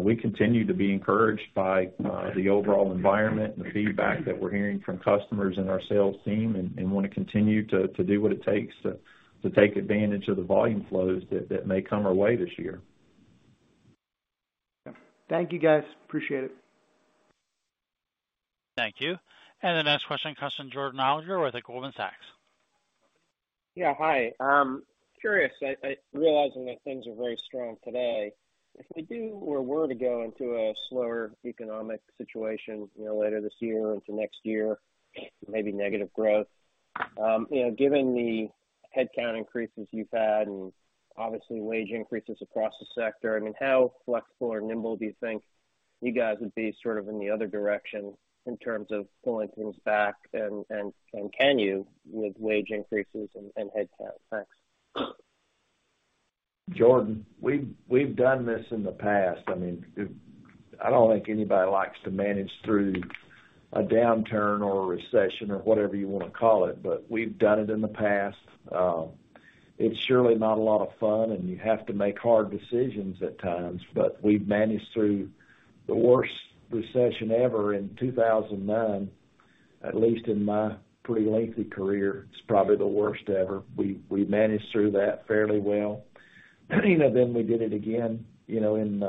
We continue to be encouraged by the overall environment and the feedback that we're hearing from customers and our sales team and wanna continue to do what it takes to take advantage of the volume flows that may come our way this year. Thank you, guys. Appreciate it. Thank you. The next question comes from Jordan Alliger with Goldman Sachs. Yeah. Hi. I'm curious, realizing that things are very strong today, if we do or were to go into a slower economic situation, you know, later this year into next year, maybe negative growth, you know, given the headcount increases you've had and obviously wage increases across the sector, I mean, how flexible or nimble do you think you guys would be sort of in the other direction in terms of pulling things back? Can you with wage increases and headcount? Thanks. Jordan, we've done this in the past. I mean, I don't think anybody likes to manage through a downturn or a recession or whatever you wanna call it, but we've done it in the past. It's surely not a lot of fun, and you have to make hard decisions at times. We've managed through the worst recession ever in 2009, at least in my pretty lengthy career. It's probably the worst ever. We managed through that fairly well. You know, then we did it again, you know, in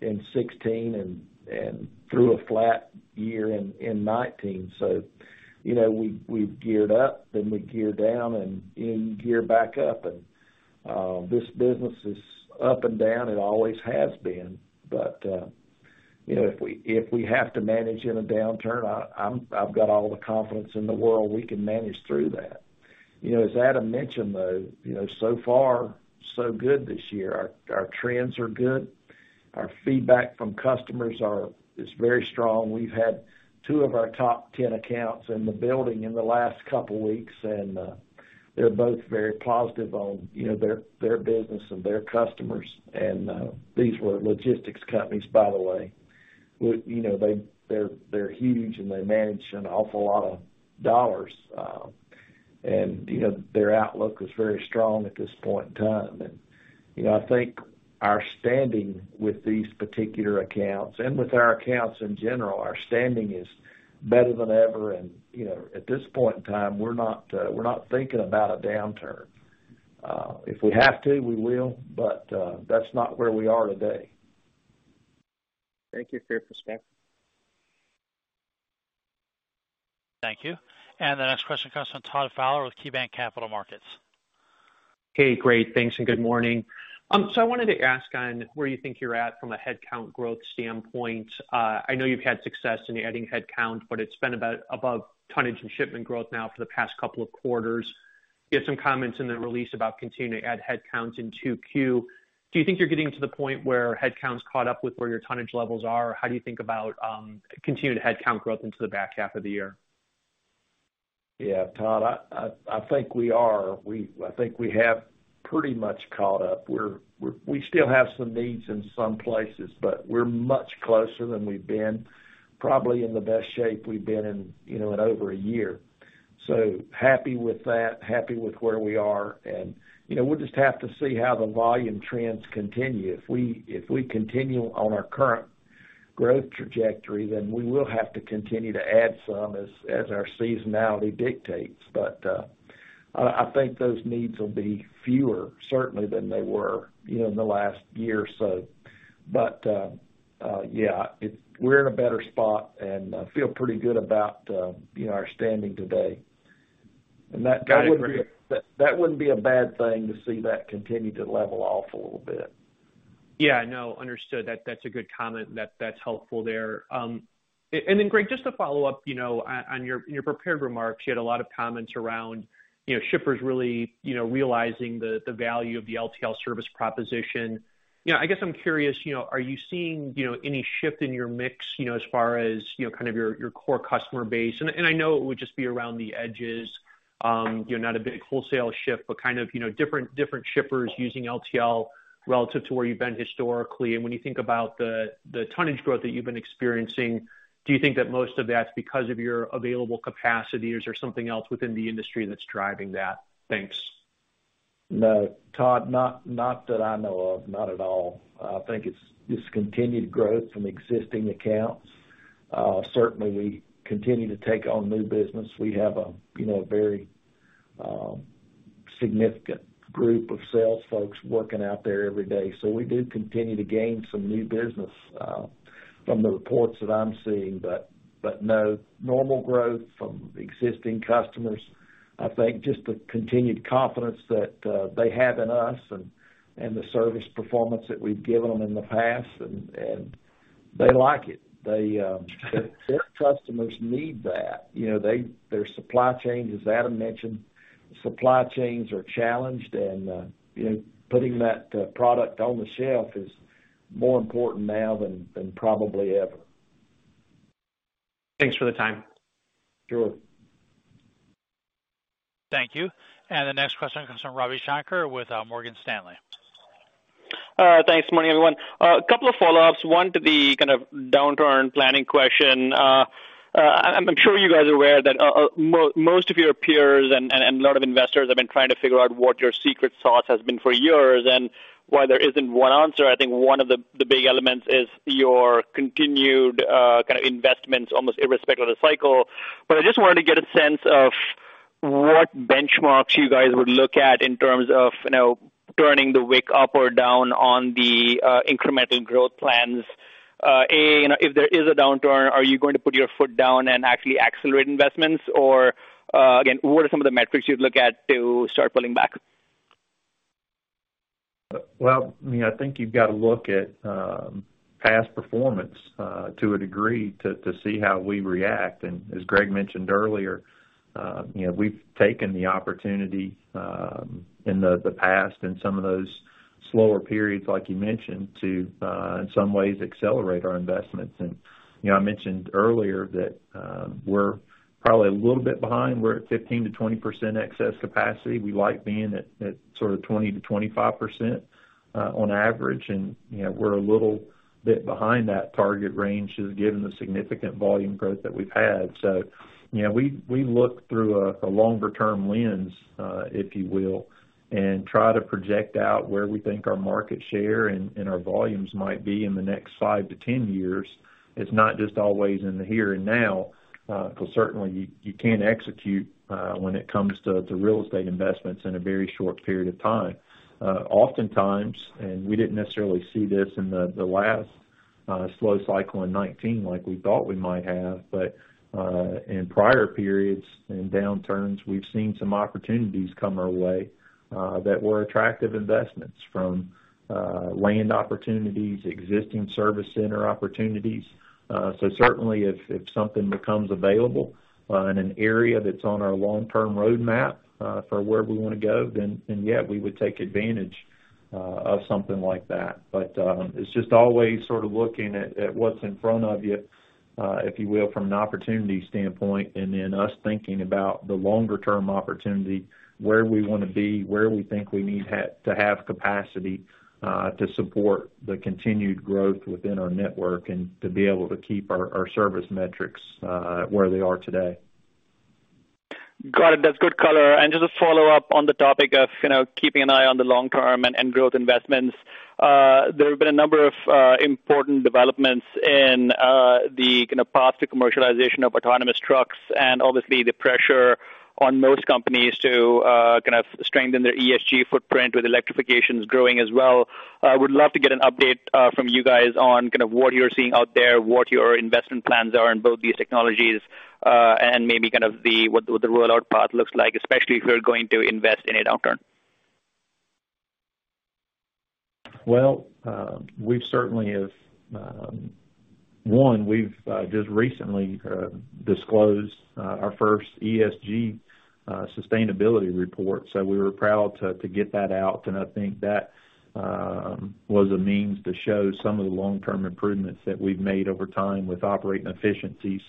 2016 and through a flat year in 2019. You know, we've geared up, then we gear down and then gear back up. This business is up and down. It always has been. You know, if we have to manage in a downturn, I've got all the confidence in the world we can manage through that. You know, as Adam mentioned, though, you know, so far, so good this year. Our trends are good. Our feedback from customers is very strong. We've had two of our top 10 accounts in the building in the last couple weeks, and they're both very positive on, you know, their business and their customers. These were logistics companies, by the way, you know, they're huge, and they manage an awful lot of dollars. You know, their outlook is very strong at this point in time. You know, I think our standing with these particular accounts and with our accounts in general, our standing is better than ever. You know, at this point in time, we're not thinking about a downturn. If we have to, we will. That's not where we are today. Thank you for your perspective. Thank you. The next question comes from Todd Fowler with KeyBanc Capital Markets. Hey, great. Thanks, and good morning. So I wanted to ask on where you think you're at from a headcount growth standpoint. I know you've had success in adding headcount, but it's been a bit above tonnage and shipment growth now for the past couple of quarters. You had some comments in the release about continuing to add headcounts in 2Q. Do you think you're getting to the point where headcount's caught up with where your tonnage levels are? How do you think about continued headcount growth into the back half of the year? Yeah, Todd, I think we are. I think we have pretty much caught up. We still have some needs in some places, but we're much closer than we've been, probably in the best shape we've been in, you know, in over a year. Happy with that, happy with where we are. You know, we'll just have to see how the volume trends continue. If we continue on our current growth trajectory, then we will have to continue to add some as our seasonality dictates. I think those needs will be fewer certainly than they were, you know, in the last year or so. Yeah, we're in a better spot, and I feel pretty good about, you know, our standing today. That wouldn't be. Got it. That wouldn't be a bad thing to see that continue to level off a little bit. Yeah, I know. Understood. That's a good comment. That's helpful there. Then Greg, just to follow up, you know, on your prepared remarks, you had a lot of comments around, you know, shippers really, you know, realizing the value of the LTL service proposition. You know, I guess I'm curious, you know, are you seeing, you know, any shift in your mix, you know, as far as, you know, kind of your core customer base? I know it would just be around the edges, you know, not a big wholesale shift, but kind of, you know, different shippers using LTL relative to where you've been historically. When you think about the tonnage growth that you've been experiencing, do you think that most of that's because of your available capacity, or is there something else within the industry that's driving that? Thanks. No, Todd, not that I know of. Not at all. I think it's just continued growth from existing accounts. Certainly we continue to take on new business. We have, you know, a very significant group of sales folks working out there every day. We do continue to gain some new business from the reports that I'm seeing. No, normal growth from existing customers. I think just the continued confidence that they have in us and the service performance that we've given them in the past, and they like it. They, their customers need that. You know, their supply chain, as Adam mentioned, supply chains are challenged and, you know, putting that product on the shelf is more important now than probably ever. Thanks for the time. Sure. Thank you. The next question comes from Ravi Shanker with Morgan Stanley. Thanks. Morning, everyone. A couple of follow-ups. One to the kind of downturn planning question. I'm sure you guys are aware that most of your peers and a lot of investors have been trying to figure out what your secret sauce has been for years and why there isn't one answer. I think one of the big elements is your continued kind of investments, almost irrespective of the cycle. But I just wanted to get a sense of what benchmarks you guys would look at in terms of, you know, turning the wick up or down on the incremental growth plans. A, you know, if there is a downturn, are you going to put your foot down and actually accelerate investments? Or, again, what are some of the metrics you'd look at to start pulling back? Well, you know, I think you've got to look at past performance to a degree to see how we react. As Greg mentioned earlier, you know, we've taken the opportunity in the past in some of those slower periods, like you mentioned, to in some ways accelerate our investments. You know, I mentioned earlier that we're probably a little bit behind. We're at 15%-20% excess capacity. We like being at sort of 20%-25% on average. You know, we're a little bit behind that target range just given the significant volume growth that we've had. You know, we look through a longer-term lens, if you will, and try to project out where we think our market share and our volumes might be in the next five to 10 years. It's not just always in the here and now, because certainly you can't execute when it comes to real estate investments in a very short period of time. Oftentimes we didn't necessarily see this in the last slow cycle in 2019 like we thought we might have. In prior periods in downturns, we've seen some opportunities come our way that were attractive investments from land opportunities, existing service center opportunities. Certainly if something becomes available in an area that's on our long-term roadmap for where we wanna go then yeah we would take advantage of something like that. It's just always sort of looking at what's in front of you if you will from an opportunity standpoint and then us thinking about the longer term opportunity where we wanna be where we think we need to have capacity to support the continued growth within our network and to be able to keep our service metrics where they are today. Got it. That's good color. Just a follow-up on the topic of, you know, keeping an eye on the long term and growth investments. There have been a number of important developments in the, you know, path to commercialization of autonomous trucks and obviously the pressure on most companies to kind of strengthen their ESG footprint with electrifications growing as well. I would love to get an update from you guys on kind of what you're seeing out there, what your investment plans are in both these technologies and maybe kind of what the rollout path looks like, especially if you're going to invest in a downturn. Well, we certainly have we've just recently disclosed our first ESG Sustainability Report. We were proud to get that out. I think that was a means to show some of the long-term improvements that we've made over time with operating efficiencies,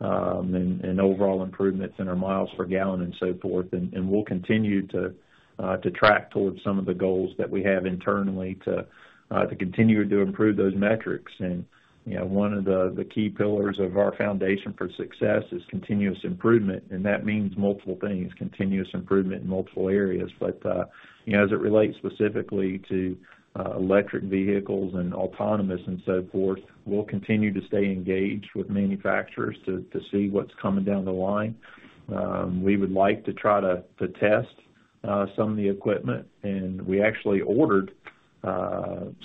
and overall improvements in our miles per gallon and so forth. We'll continue to track towards some of the goals that we have internally to continue to improve those metrics. You know, one of the key pillars of our foundation for success is continuous improvement, and that means multiple things, continuous improvement in multiple areas. You know, as it relates specifically to electric vehicles and autonomous and so forth, we'll continue to stay engaged with manufacturers to see what's coming down the line. We would like to try to test some of the equipment, and we actually ordered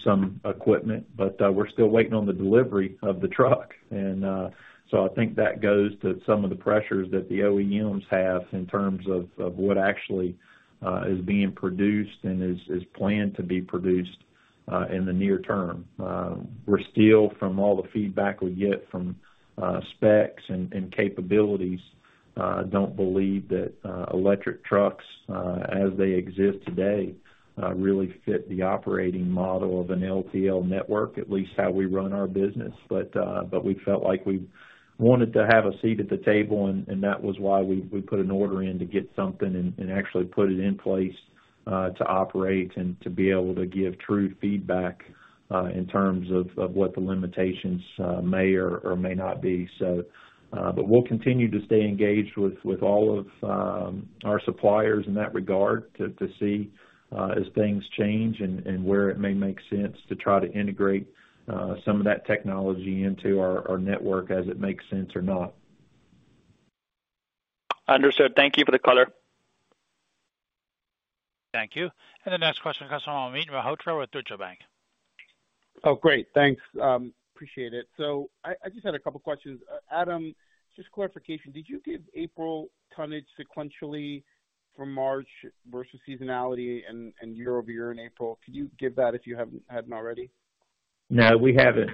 some equipment, but we're still waiting on the delivery of the truck. I think that goes to some of the pressures that the OEMs have in terms of what actually is being produced and is planned to be produced in the near term. We're still from all the feedback we get from specs and capabilities don't believe that electric trucks as they exist today really fit the operating model of an LTL network, at least how we run our business. We felt like we wanted to have a seat at the table, and that was why we put an order in to get something and actually put it in place to operate and to be able to give true feedback in terms of what the limitations may or may not be. We'll continue to stay engaged with all of our suppliers in that regard to see as things change and where it may make sense to try to integrate some of that technology into our network as it makes sense or not. Understood. Thank you for the color. Thank you. The next question comes from Amit Mehrotra with Deutsche Bank. Oh, great. Thanks. Appreciate it. I just had a couple questions. Adam, just clarification, did you give April tonnage sequentially from March versus seasonality and year-over-year in April? Could you give that if you hadn't already? No, we haven't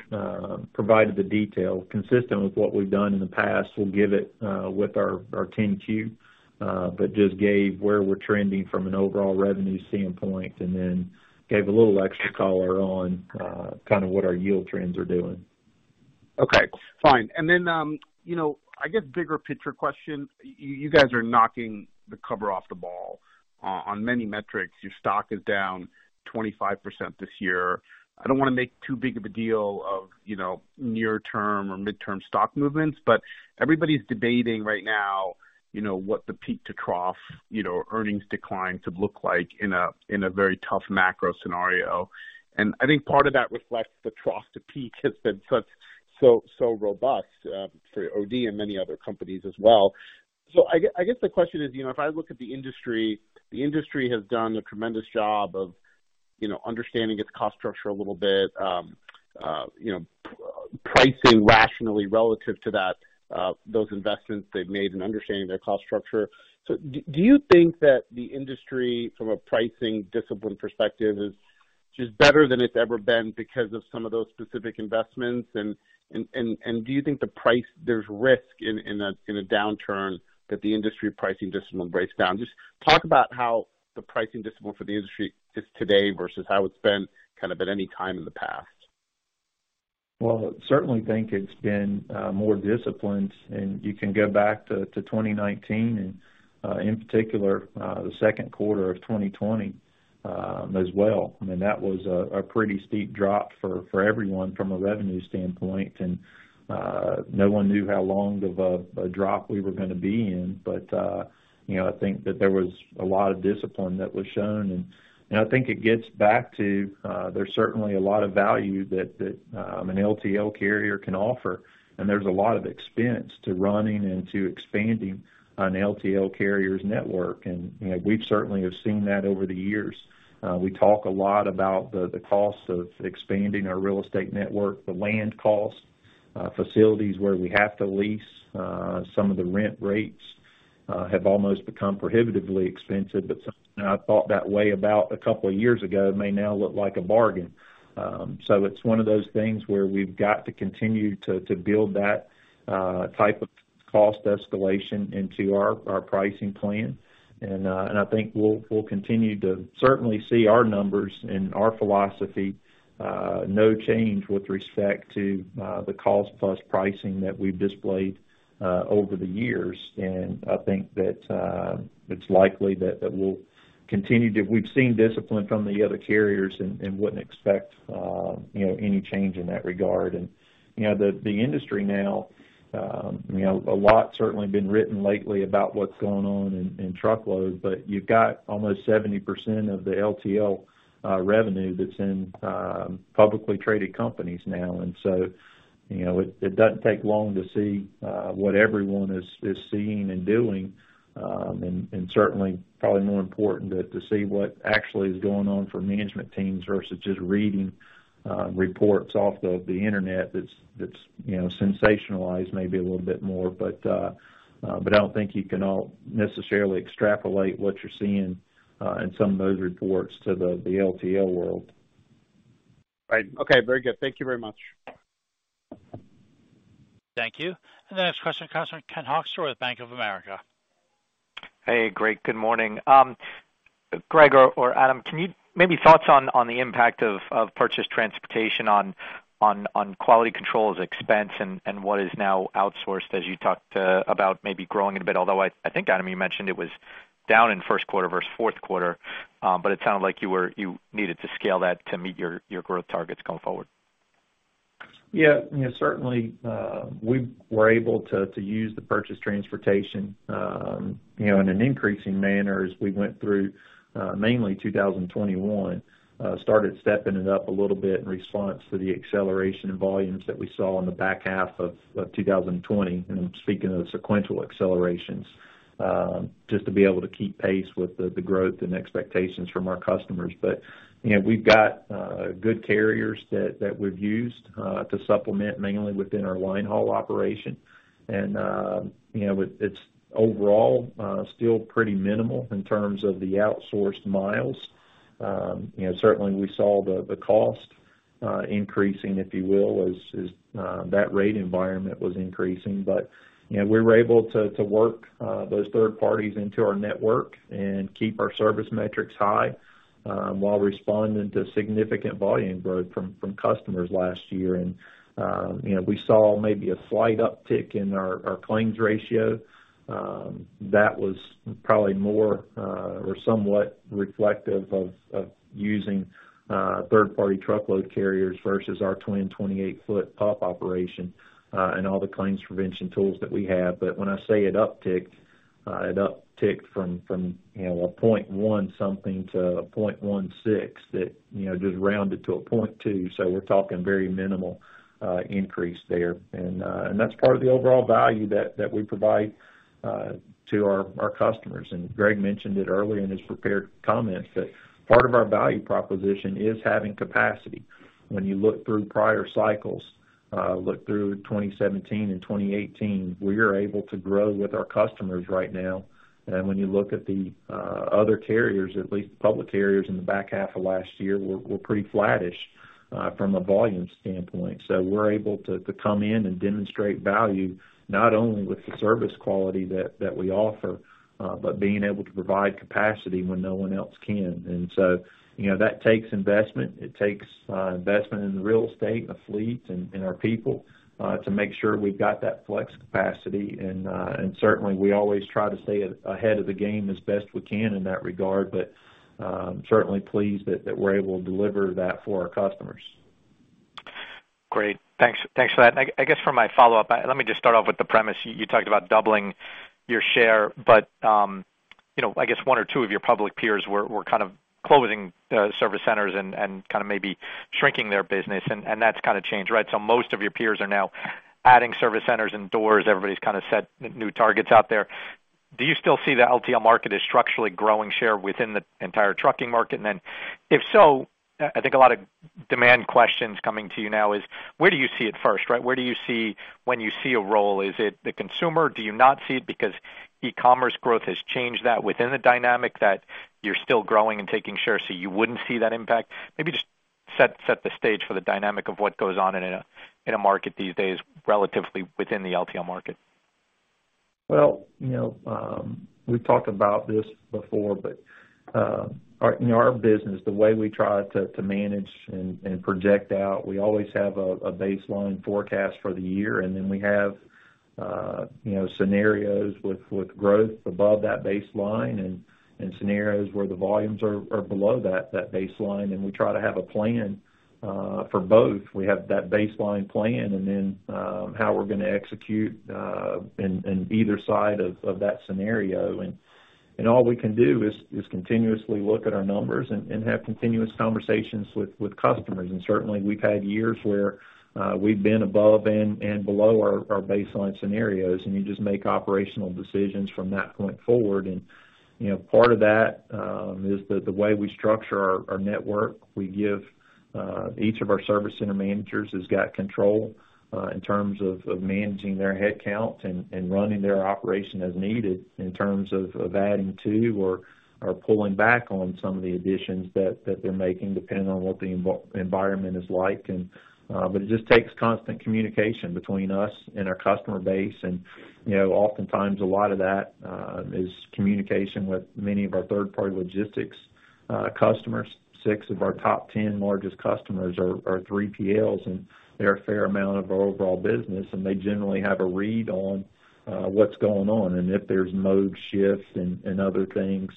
provided the detail. Consistent with what we've done in the past, we'll give it with our 10-Q, but just gave where we're trending from an overall revenue standpoint, and then gave a little extra color on kinda what our yield trends are doing. Okay, fine. You know, I guess bigger picture question, you guys are knocking the cover off the ball on many metrics. Your stock is down 25% this year. I don't wanna make too big of a deal of, you know, near term or midterm stock movements, but everybody's debating right now, you know, what the peak to trough, you know, earnings decline to look like in a very tough macro scenario. I think part of that reflects the trough to peak has been so robust for OD and many other companies as well. I guess the question is, you know, if I look at the industry, the industry has done a tremendous job of, you know, understanding its cost structure a little bit, pricing rationally relative to that, those investments they've made in understanding their cost structure. Do you think that the industry from a pricing discipline perspective is just better than it's ever been because of some of those specific investments? Do you think the pricing, there's risk in a downturn that the industry pricing discipline breaks down? Just talk about how the pricing discipline for the industry is today versus how it's been kind of at any time in the past. Well, certainly think it's been more disciplined. You can go back to 2019 and in particular the second quarter of 2020 as well. I mean, that was a pretty steep drop for everyone from a revenue standpoint. No one knew how long of a drop we were gonna be in but you know, I think that there was a lot of discipline that was shown. I think it gets back to there's certainly a lot of value that an LTL carrier can offer, and there's a lot of expense to running and to expanding an LTL carrier's network and you know, we certainly have seen that over the years. We talk a lot about the cost of expanding our real estate network, the land costs, facilities where we have to lease, some of the rent rates have almost become prohibitively expensive. Something I thought that way about a couple of years ago may now look like a bargain. It's one of those things where we've got to continue to build that type of cost escalation into our pricing plan. I think we'll continue to certainly see our numbers and our philosophy no change with respect to the cost plus pricing that we've displayed over the years. I think that it's likely that we'll continue to. We've seen discipline from the other carriers and wouldn't expect you know any change in that regard. You know, the industry now, you know, a lot certainly been written lately about what's going on in truckload, but you've got almost 70% of the LTL revenue that's in publicly traded companies now. You know, it doesn't take long to see what everyone is seeing and doing. And certainly probably more important to see what actually is going on for management teams versus just reading reports off the internet that's you know, sensationalized maybe a little bit more. I don't think you can all necessarily extrapolate what you're seeing in some of those reports to the LTL world. Right. Okay. Very good. Thank you very much. Thank you. The next question comes from Ken Hoexter with Bank of America. Hey, Greg. Good morning. Greg or Adam, maybe thoughts on the impact of purchased transportation on quality control and expense and what is now outsourced as you talked about maybe growing it a bit. Although I think, Adam, you mentioned it was down in first quarter versus fourth quarter, but it sounded like you needed to scale that to meet your growth targets going forward. Yeah. Yeah, certainly, we were able to use the purchased transportation, you know, in an increasing manner as we went through mainly 2021. Started stepping it up a little bit in response to the acceleration in volumes that we saw in the back half of 2020, speaking of sequential accelerations, just to be able to keep pace with the growth and expectations from our customers. You know, we've got good carriers that we've used to supplement mainly within our line haul operation. You know, it's overall still pretty minimal in terms of the outsourced miles. You know, certainly we saw the cost increasing, if you will, as that rate environment was increasing. You know, we were able to work those third parties into our network and keep our service metrics high while responding to significant volume growth from customers last year. You know, we saw maybe a slight uptick in our claims ratio that was probably more or somewhat reflective of using third-party truckload carriers versus our twin 28-ft pup operation and all the claims prevention tools that we have. When I say it upticked, it upticked from, you know, 0.1% something to 0.16% that, you know, just rounded to 0.2%. We're talking very minimal increase there. That's part of the overall value that we provide to our customers. Greg mentioned it earlier in his prepared comments that part of our value proposition is having capacity. When you look through prior cycles, look through 2017 and 2018, we are able to grow with our customers right now. When you look at the other carriers, at least public carriers in the back half of last year, we're pretty flattish from a volume standpoint. We're able to come in and demonstrate value, not only with the service quality that we offer, but being able to provide capacity when no one else can. You know, that takes investment. It takes investment in the real estate, the fleet and our people to make sure we've got that flex capacity. Certainly, we always try to stay ahead of the game as best we can in that regard. Certainly pleased that we're able to deliver that for our customers. Great. Thanks. Thanks for that. I guess for my follow-up, let me just start off with the premise. You talked about doubling your share, but you know, I guess one or two of your public peers were kind of closing service centers and kinda maybe shrinking their business, and that's kinda changed, right? Most of your peers are now adding service centers and doors. Everybody's kinda set new targets out there. Do you still see the LTL market as structurally growing share within the entire trucking market? And then if so, I think a lot of demand questions coming to you now is where do you see it first, right? Where do you see when you see a role? Is it the consumer? Do you not see it because e-commerce growth has changed that within the dynamic that you're still growing and taking shares so you wouldn't see that impact? Maybe just set the stage for the dynamic of what goes on in a market these days, relatively within the LTL market. Well, you know, we've talked about this before, but our, you know, our business, the way we try to manage and project out, we always have a baseline forecast for the year, and then we have, you know, scenarios with growth above that baseline and scenarios where the volumes are below that baseline, and we try to have a plan for both. We have that baseline plan, and then how we're gonna execute in either side of that scenario. All we can do is continuously look at our numbers and have continuous conversations with customers. Certainly we've had years where we've been above and below our baseline scenarios, and you just make operational decisions from that point forward. You know, part of that is the way we structure our network. We give each of our service center managers has got control in terms of managing their headcount and running their operation as needed in terms of adding to or pulling back on some of the additions that they're making, depending on what the environment is like. But it just takes constant communication between us and our customer base. You know, oftentimes a lot of that is communication with many of our third-party logistics customers. Six of our top 10 largest customers are 3PLs, and they're a fair amount of our overall business, and they generally have a read on what's going on, and if there's mode shifts and other things.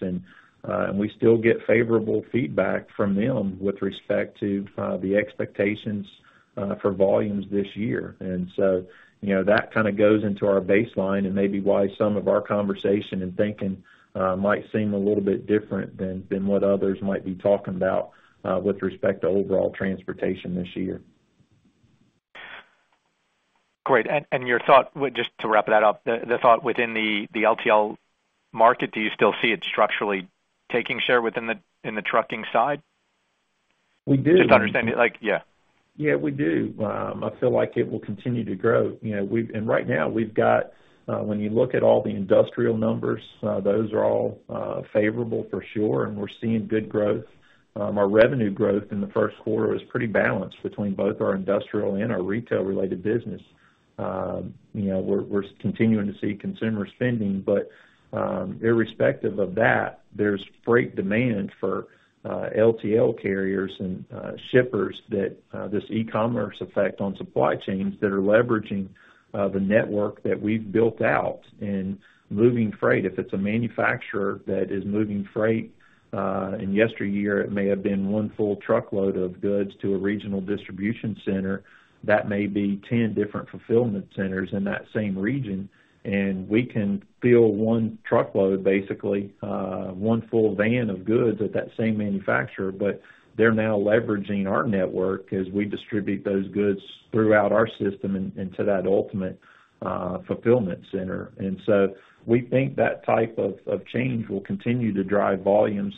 We still get favorable feedback from them with respect to the expectations for volumes this year. You know, that kinda goes into our baseline and maybe why some of our conversation and thinking might seem a little bit different than what others might be talking about with respect to overall transportation this year. Great. Your thoughts just to wrap that up, the thought within the LTL market, do you still see it structurally taking share within the trucking side? We do. Just understanding, like, yeah. Yeah, we do. I feel like it will continue to grow. You know, right now we've got, when you look at all the industrial numbers, those are all favorable for sure, and we're seeing good growth. Our revenue growth in the first quarter was pretty balanced between both our industrial and our retail-related business. You know, we're continuing to see consumer spending, but irrespective of that, there's freight demand for LTL carriers and shippers that this e-commerce effect on supply chains that are leveraging the network that we've built out in moving freight. If it's a manufacturer that is moving freight, in yesteryear, it may have been one full truckload of goods to a regional distribution center. That may be 10 different fulfillment centers in that same region, and we can fill one truckload, basically, one full van of goods at that same manufacturer. They're now leveraging our network as we distribute those goods throughout our system and to that ultimate fulfillment center. We think that type of change will continue to drive volumes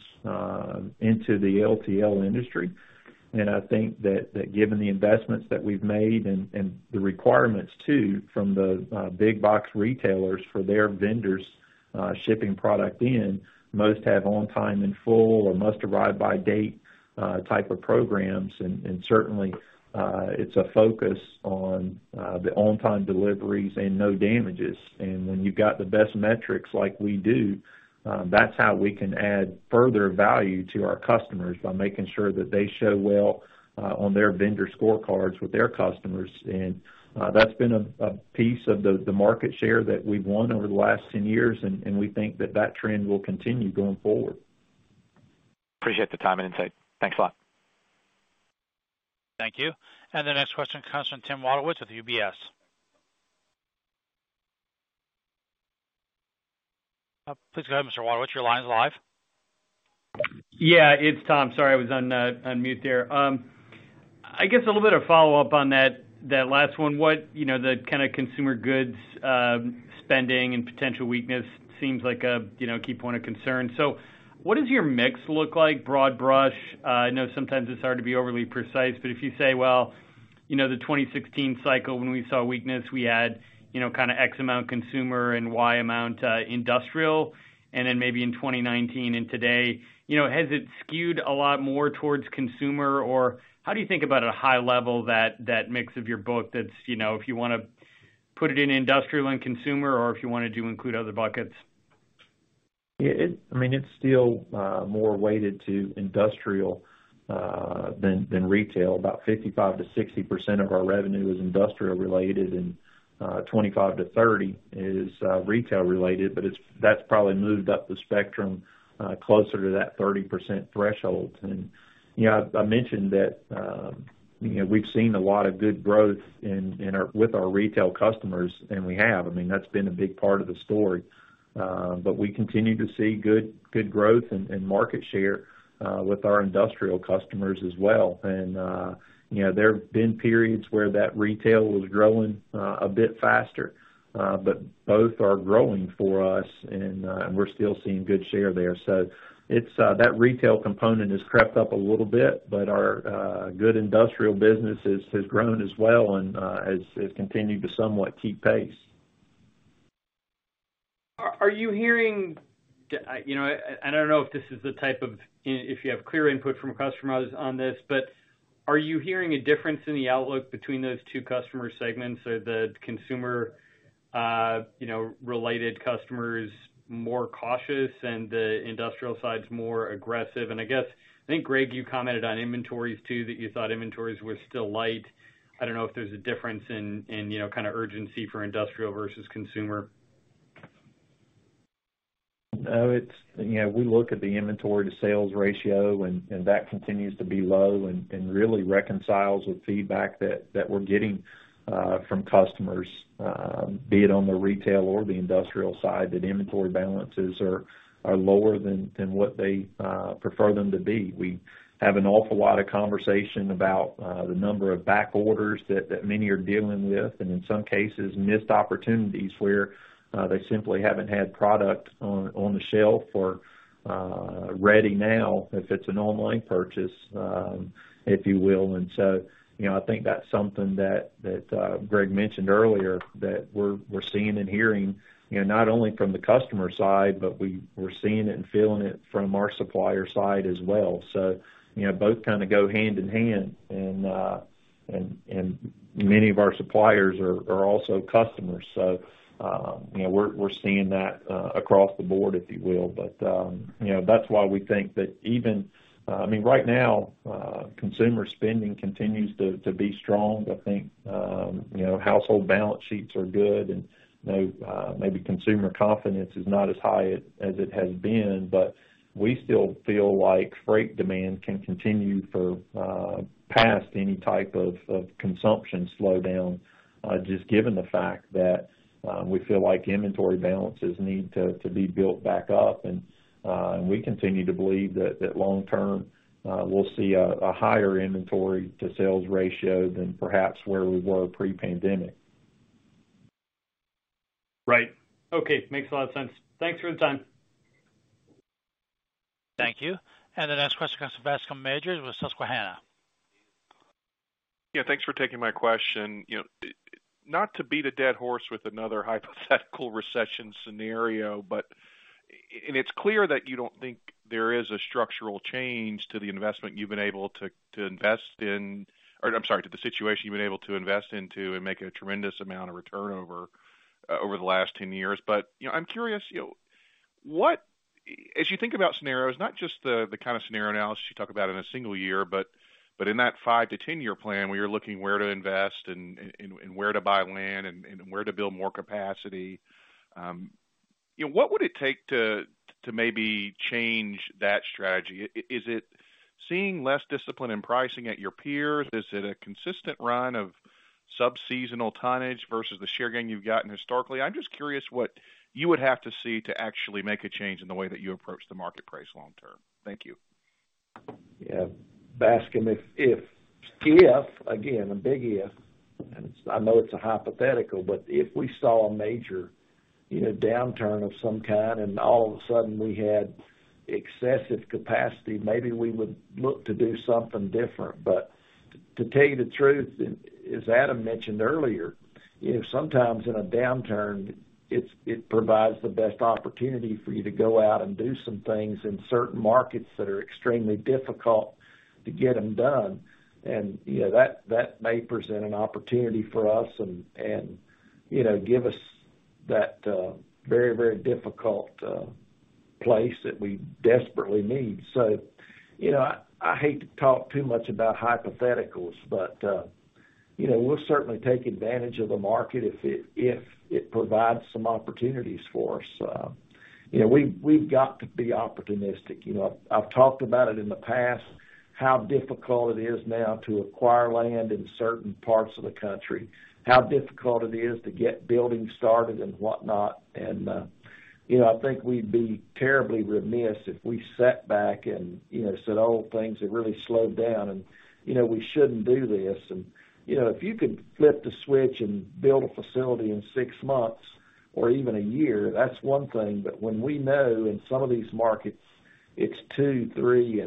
into the LTL industry. I think that given the investments that we've made and the requirements, too, from the big box retailers for their vendors shipping product in. Most have on-time in-full or must-arrive-by-date type of programs. Certainly, it's a focus on the on-time deliveries and no damages. When you've got the best metrics like we do, that's how we can add further value to our customers by making sure that they show well on their vendor scorecards with their customers. That's been a piece of the market share that we've won over the last 10 years, and we think that trend will continue going forward. Appreciate the time and insight. Thanks a lot. Thank you. The next question comes from Tom Wadewitz with UBS. Please go ahead, Mr. Wadewitz. Your line is live. Yeah, it's Tom. Sorry, I was on mute there. I guess a little bit of follow-up on that last one. What, you know, the kind of consumer goods spending and potential weakness seems like a key point of concern. So what does your mix look like broad brush? I know sometimes it's hard to be overly precise, but if you say, well, you know, the 2016 cycle when we saw weakness, we had, you know, kind of X amount consumer and Y amount industrial. Then maybe in 2019 and today, you know, has it skewed a lot more towards consumer? Or how do you think about a high level that mix of your book that's, you know, if you want to put it in industrial and consumer or if you wanted to include other buckets? I mean, it's still more weighted to industrial than retail. About 55%-60% of our revenue is industrial related, and 25%-30% is retail related, but that's probably moved up the spectrum closer to that 30% threshold. You know, I mentioned that you know, we've seen a lot of good growth with our retail customers, and we have. I mean, that's been a big part of the story. We continue to see good growth and market share with our industrial customers as well. You know, there have been periods where that retail was growing a bit faster, but both are growing for us and we're still seeing good share there. It's that retail component has crept up a little bit, but our good industrial business has grown as well and has continued to somewhat keep pace. Are you hearing? You know, I don't know if this is the type of if you have clear input from customers on this, but are you hearing a difference in the outlook between those two customer segments? Are the consumer, you know, related customers more cautious and the industrial side's more aggressive? I guess, I think, Greg, you commented on inventories too, that you thought inventories were still light. I don't know if there's a difference in, you know, kinda urgency for industrial versus consumer. No, it's, you know, we look at the inventory to sales ratio and that continues to be low and really reconciles with feedback that we're getting from customers, be it on the retail or the industrial side, that inventory balances are lower than what they prefer them to be. We have an awful lot of conversation about the number of back orders that many are dealing with, and in some cases missed opportunities where they simply haven't had product on the shelf or ready now if it's an online purchase, if you will. You know, I think that's something that Greg mentioned earlier that we're seeing and hearing, you know, not only from the customer side, but we're seeing it and feeling it from our supplier side as well. You know, both kinda go hand in hand and many of our suppliers are also customers. You know, we're seeing that across the board, if you will. You know, that's why we think that even I mean, right now, consumer spending continues to be strong. I think, you know, household balance sheets are good and, you know, maybe consumer confidence is not as high as it has been, but we still feel like freight demand can continue for past any type of consumption slowdown just given the fact that we feel like inventory balances need to be built back up. We continue to believe that long term, we'll see a higher inventory to sales ratio than perhaps where we were pre-pandemic. Right. Okay. Makes a lot of sense. Thanks for the time. Thank you. The next question comes from Bascome Majors with Susquehanna. Yeah, thanks for taking my question. You know, not to beat a dead horse with another hypothetical recession scenario. It's clear that you don't think there is a structural change to the situation you've been able to invest into and make a tremendous amount of return over the last 10 years. You know, I'm curious, you know, what, as you think about scenarios, not just the kind of scenario analysis you talk about in a single year, but in that five to 10 year plan where you're looking where to invest and where to buy land and where to build more capacity, you know, what would it take to maybe change that strategy? Is it seeing less discipline in pricing at your peers? Is it a consistent run of sub-seasonal tonnage versus the share gain you've gotten historically? I'm just curious what you would have to see to actually make a change in the way that you approach the market price long term. Thank you. Yeah. Bascome, if again, a big if, and I know it's a hypothetical, but if we saw a major, you know, downturn of some kind, and all of a sudden we had excessive capacity, maybe we would look to do something different. To tell you the truth, as Adam mentioned earlier, you know, sometimes in a downturn, it provides the best opportunity for you to go out and do some things in certain markets that are extremely difficult to get them done. You know, that may present an opportunity for us and you know, give us that very difficult place that we desperately need. You know, I hate to talk too much about hypotheticals, but you know, we'll certainly take advantage of the market if it provides some opportunities for us. You know, we've got to be opportunistic. You know, I've talked about it in the past, how difficult it is now to acquire land in certain parts of the country, how difficult it is to get buildings started and whatnot. You know, I think we'd be terribly remiss if we sat back and, you know, said, "Oh, things have really slowed down, and, you know, we shouldn't do this." You know, if you could flip the switch and build a facility in six months or even a year, that's one thing. When we know in some of these markets it's two, three,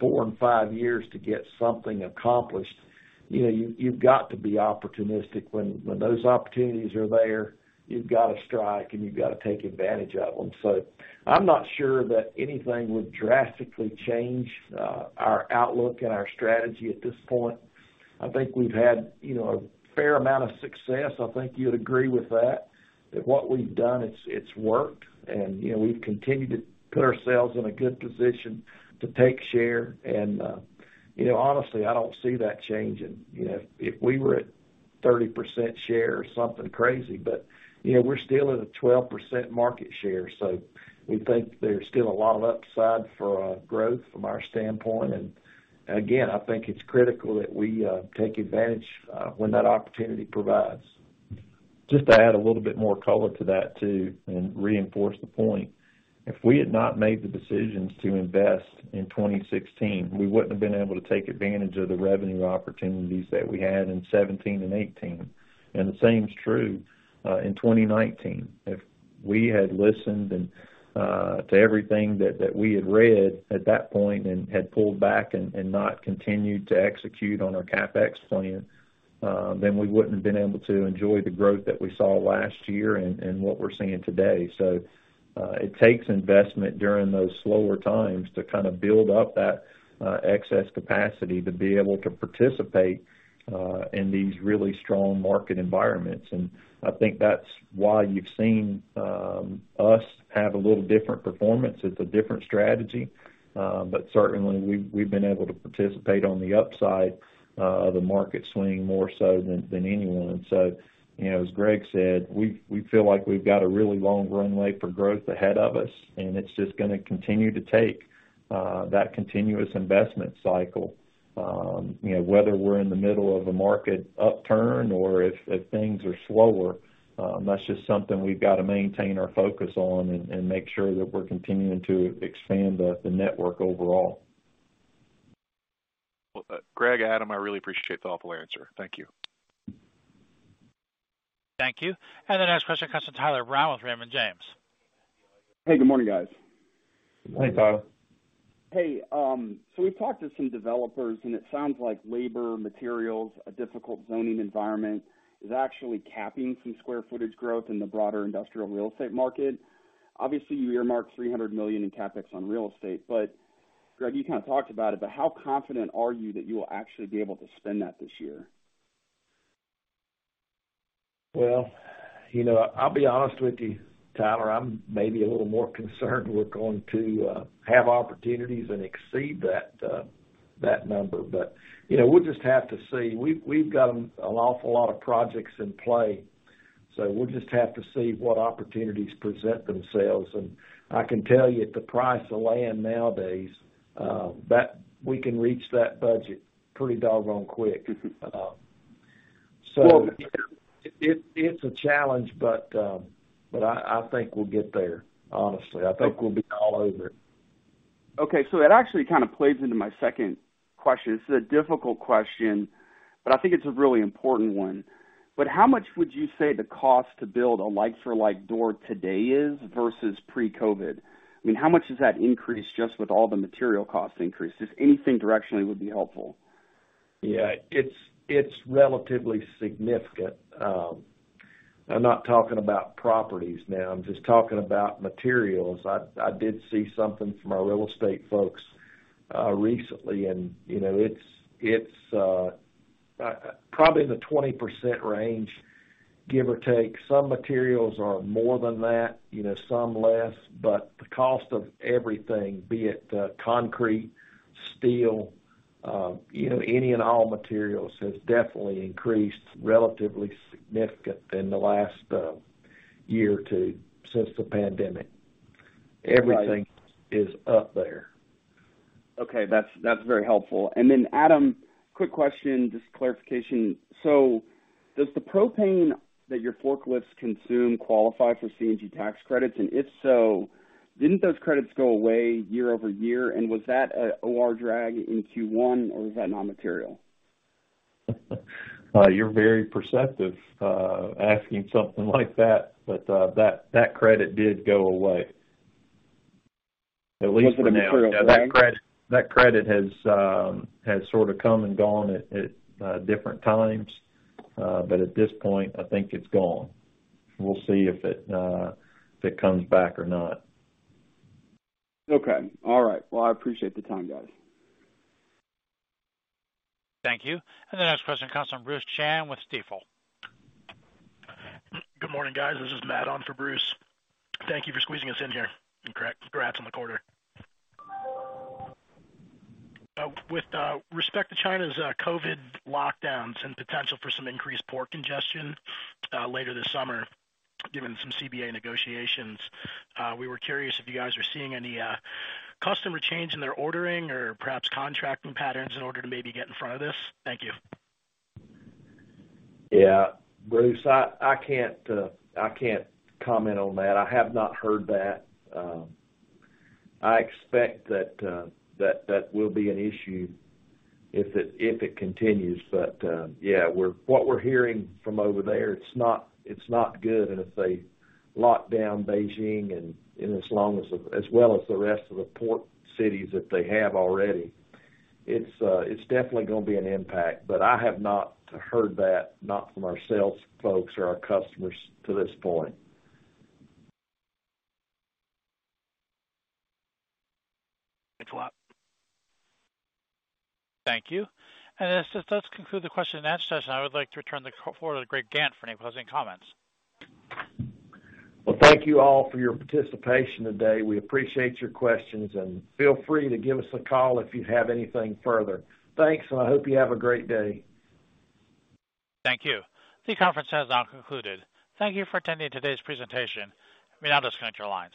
four and five years to get something accomplished, you know, you've got to be opportunistic. When those opportunities are there, you've got to strike and you've got to take advantage of them. I'm not sure that anything would drastically change our outlook and our strategy at this point. I think we've had, you know, a fair amount of success. I think you'd agree with that what we've done, it's worked. You know, we've continued to put ourselves in a good position to take share. You know, honestly, I don't see that changing. You know, if we were at 30% share or something crazy, but, you know, we're still at a 12% market share, so we think there's still a lot of upside for growth from our standpoint. Again, I think it's critical that we take advantage when that opportunity provides. Just to add a little bit more color to that too, and reinforce the point. If we had not made the decisions to invest in 2016, we wouldn't have been able to take advantage of the revenue opportunities that we had in 2017 and 2018. The same is true in 2019. If we had listened and to everything that we had read at that point and had pulled back and not continued to execute on our CapEx plan, then we wouldn't have been able to enjoy the growth that we saw last year and what we're seeing today. It takes investment during those slower times to kind of build up that excess capacity to be able to participate in these really strong market environments. I think that's why you've seen us have a little different performance. It's a different strategy. Certainly we've we've been able to participate on the upside of the market swing more so than anyone. You know, as Greg said, we we feel like we've got a really long runway for growth ahead of us, and it's just gonna continue to take that continuous investment cycle. You know, whether we're in the middle of a market upturn or if things are slower, that's just something we've got to maintain our focus on and make sure that we're continuing to expand the network overall. Well, Greg, Adam, I really appreciate the thoughtful answer. Thank you. Thank you. The next question comes from Tyler Brown with Raymond James. Hey, good morning, guys. Hey, Tyler. Hey, we've talked to some developers, and it sounds like labor, materials, a difficult zoning environment is actually capping some square footage growth in the broader industrial real estate market. Obviously, you earmarked $300 million in CapEx on real estate, but Greg, you kind of talked about it, but how confident are you that you will actually be able to spend that this year? Well, you know, I'll be honest with you, Tyler, I'm maybe a little more concerned we're going to have opportunities and exceed that number, but, you know, we'll just have to see. We've got an awful lot of projects in play, so we'll just have to see what opportunities present themselves. I can tell you at the price of land nowadays, that we can reach that budget pretty doggone quick. It’s a challenge, but I think we'll get there, honestly. I think we'll be all over it. Okay. That actually kind of plays into my second question. This is a difficult question, but I think it's a really important one. How much would you say the cost to build a like for like door today is versus pre-COVID? I mean, how much has that increased just with all the material cost increases? Anything directionally would be helpful. Yeah, it's relatively significant. I'm not talking about properties now, I'm just talking about materials. I did see something from our real estate folks recently and you know it's probably in the 20% range, give or take. Some materials are more than that, you know, some less. The cost of everything, be it concrete, steel, you know, any and all materials has definitely increased relatively significant in the last year or two since the pandemic. Right. Everything is up there. Okay. That's very helpful. Adam, quick question, just clarification. Does the propane that your forklifts consume qualify for CNG tax credits? If so, didn't those credits go away year-over-year? Was that a large drag in Q1 or was that non-material? You're very perceptive, asking something like that. That credit did go away. At least for now. Was it a material drag? That credit has sort of come and gone at different times. But at this point, I think it's gone. We'll see if it comes back or not. Okay. All right. Well, I appreciate the time, guys. Thank you. The next question comes from Bruce Chan with Stifel. Good morning, guys. This is Matt on for Bruce. Thank you for squeezing us in here. Congrats on the quarter. With respect to China's COVID lockdowns and potential for some increased port congestion later this summer, given some CBA negotiations, we were curious if you guys are seeing any customer change in their ordering or perhaps contracting patterns in order to maybe get in front of this. Thank you. Yeah. Bruce, I can't comment on that. I have not heard that. I expect that will be an issue if it continues. What we're hearing from over there, it's not good. If they lock down Beijing and as well as the rest of the port cities that they have already, it's definitely gonna be an impact. I have not heard that, not from our sales folks or our customers to this point. Thanks a lot. Thank you. As this does conclude the question and answer session, I would like to return the floor to Greg Gantt for any closing comments. Well, thank you all for your participation today. We appreciate your questions, and feel free to give us a call if you have anything further. Thanks, and I hope you have a great day. Thank you. The conference has now concluded. Thank you for attending today's presentation. You may now disconnect your lines.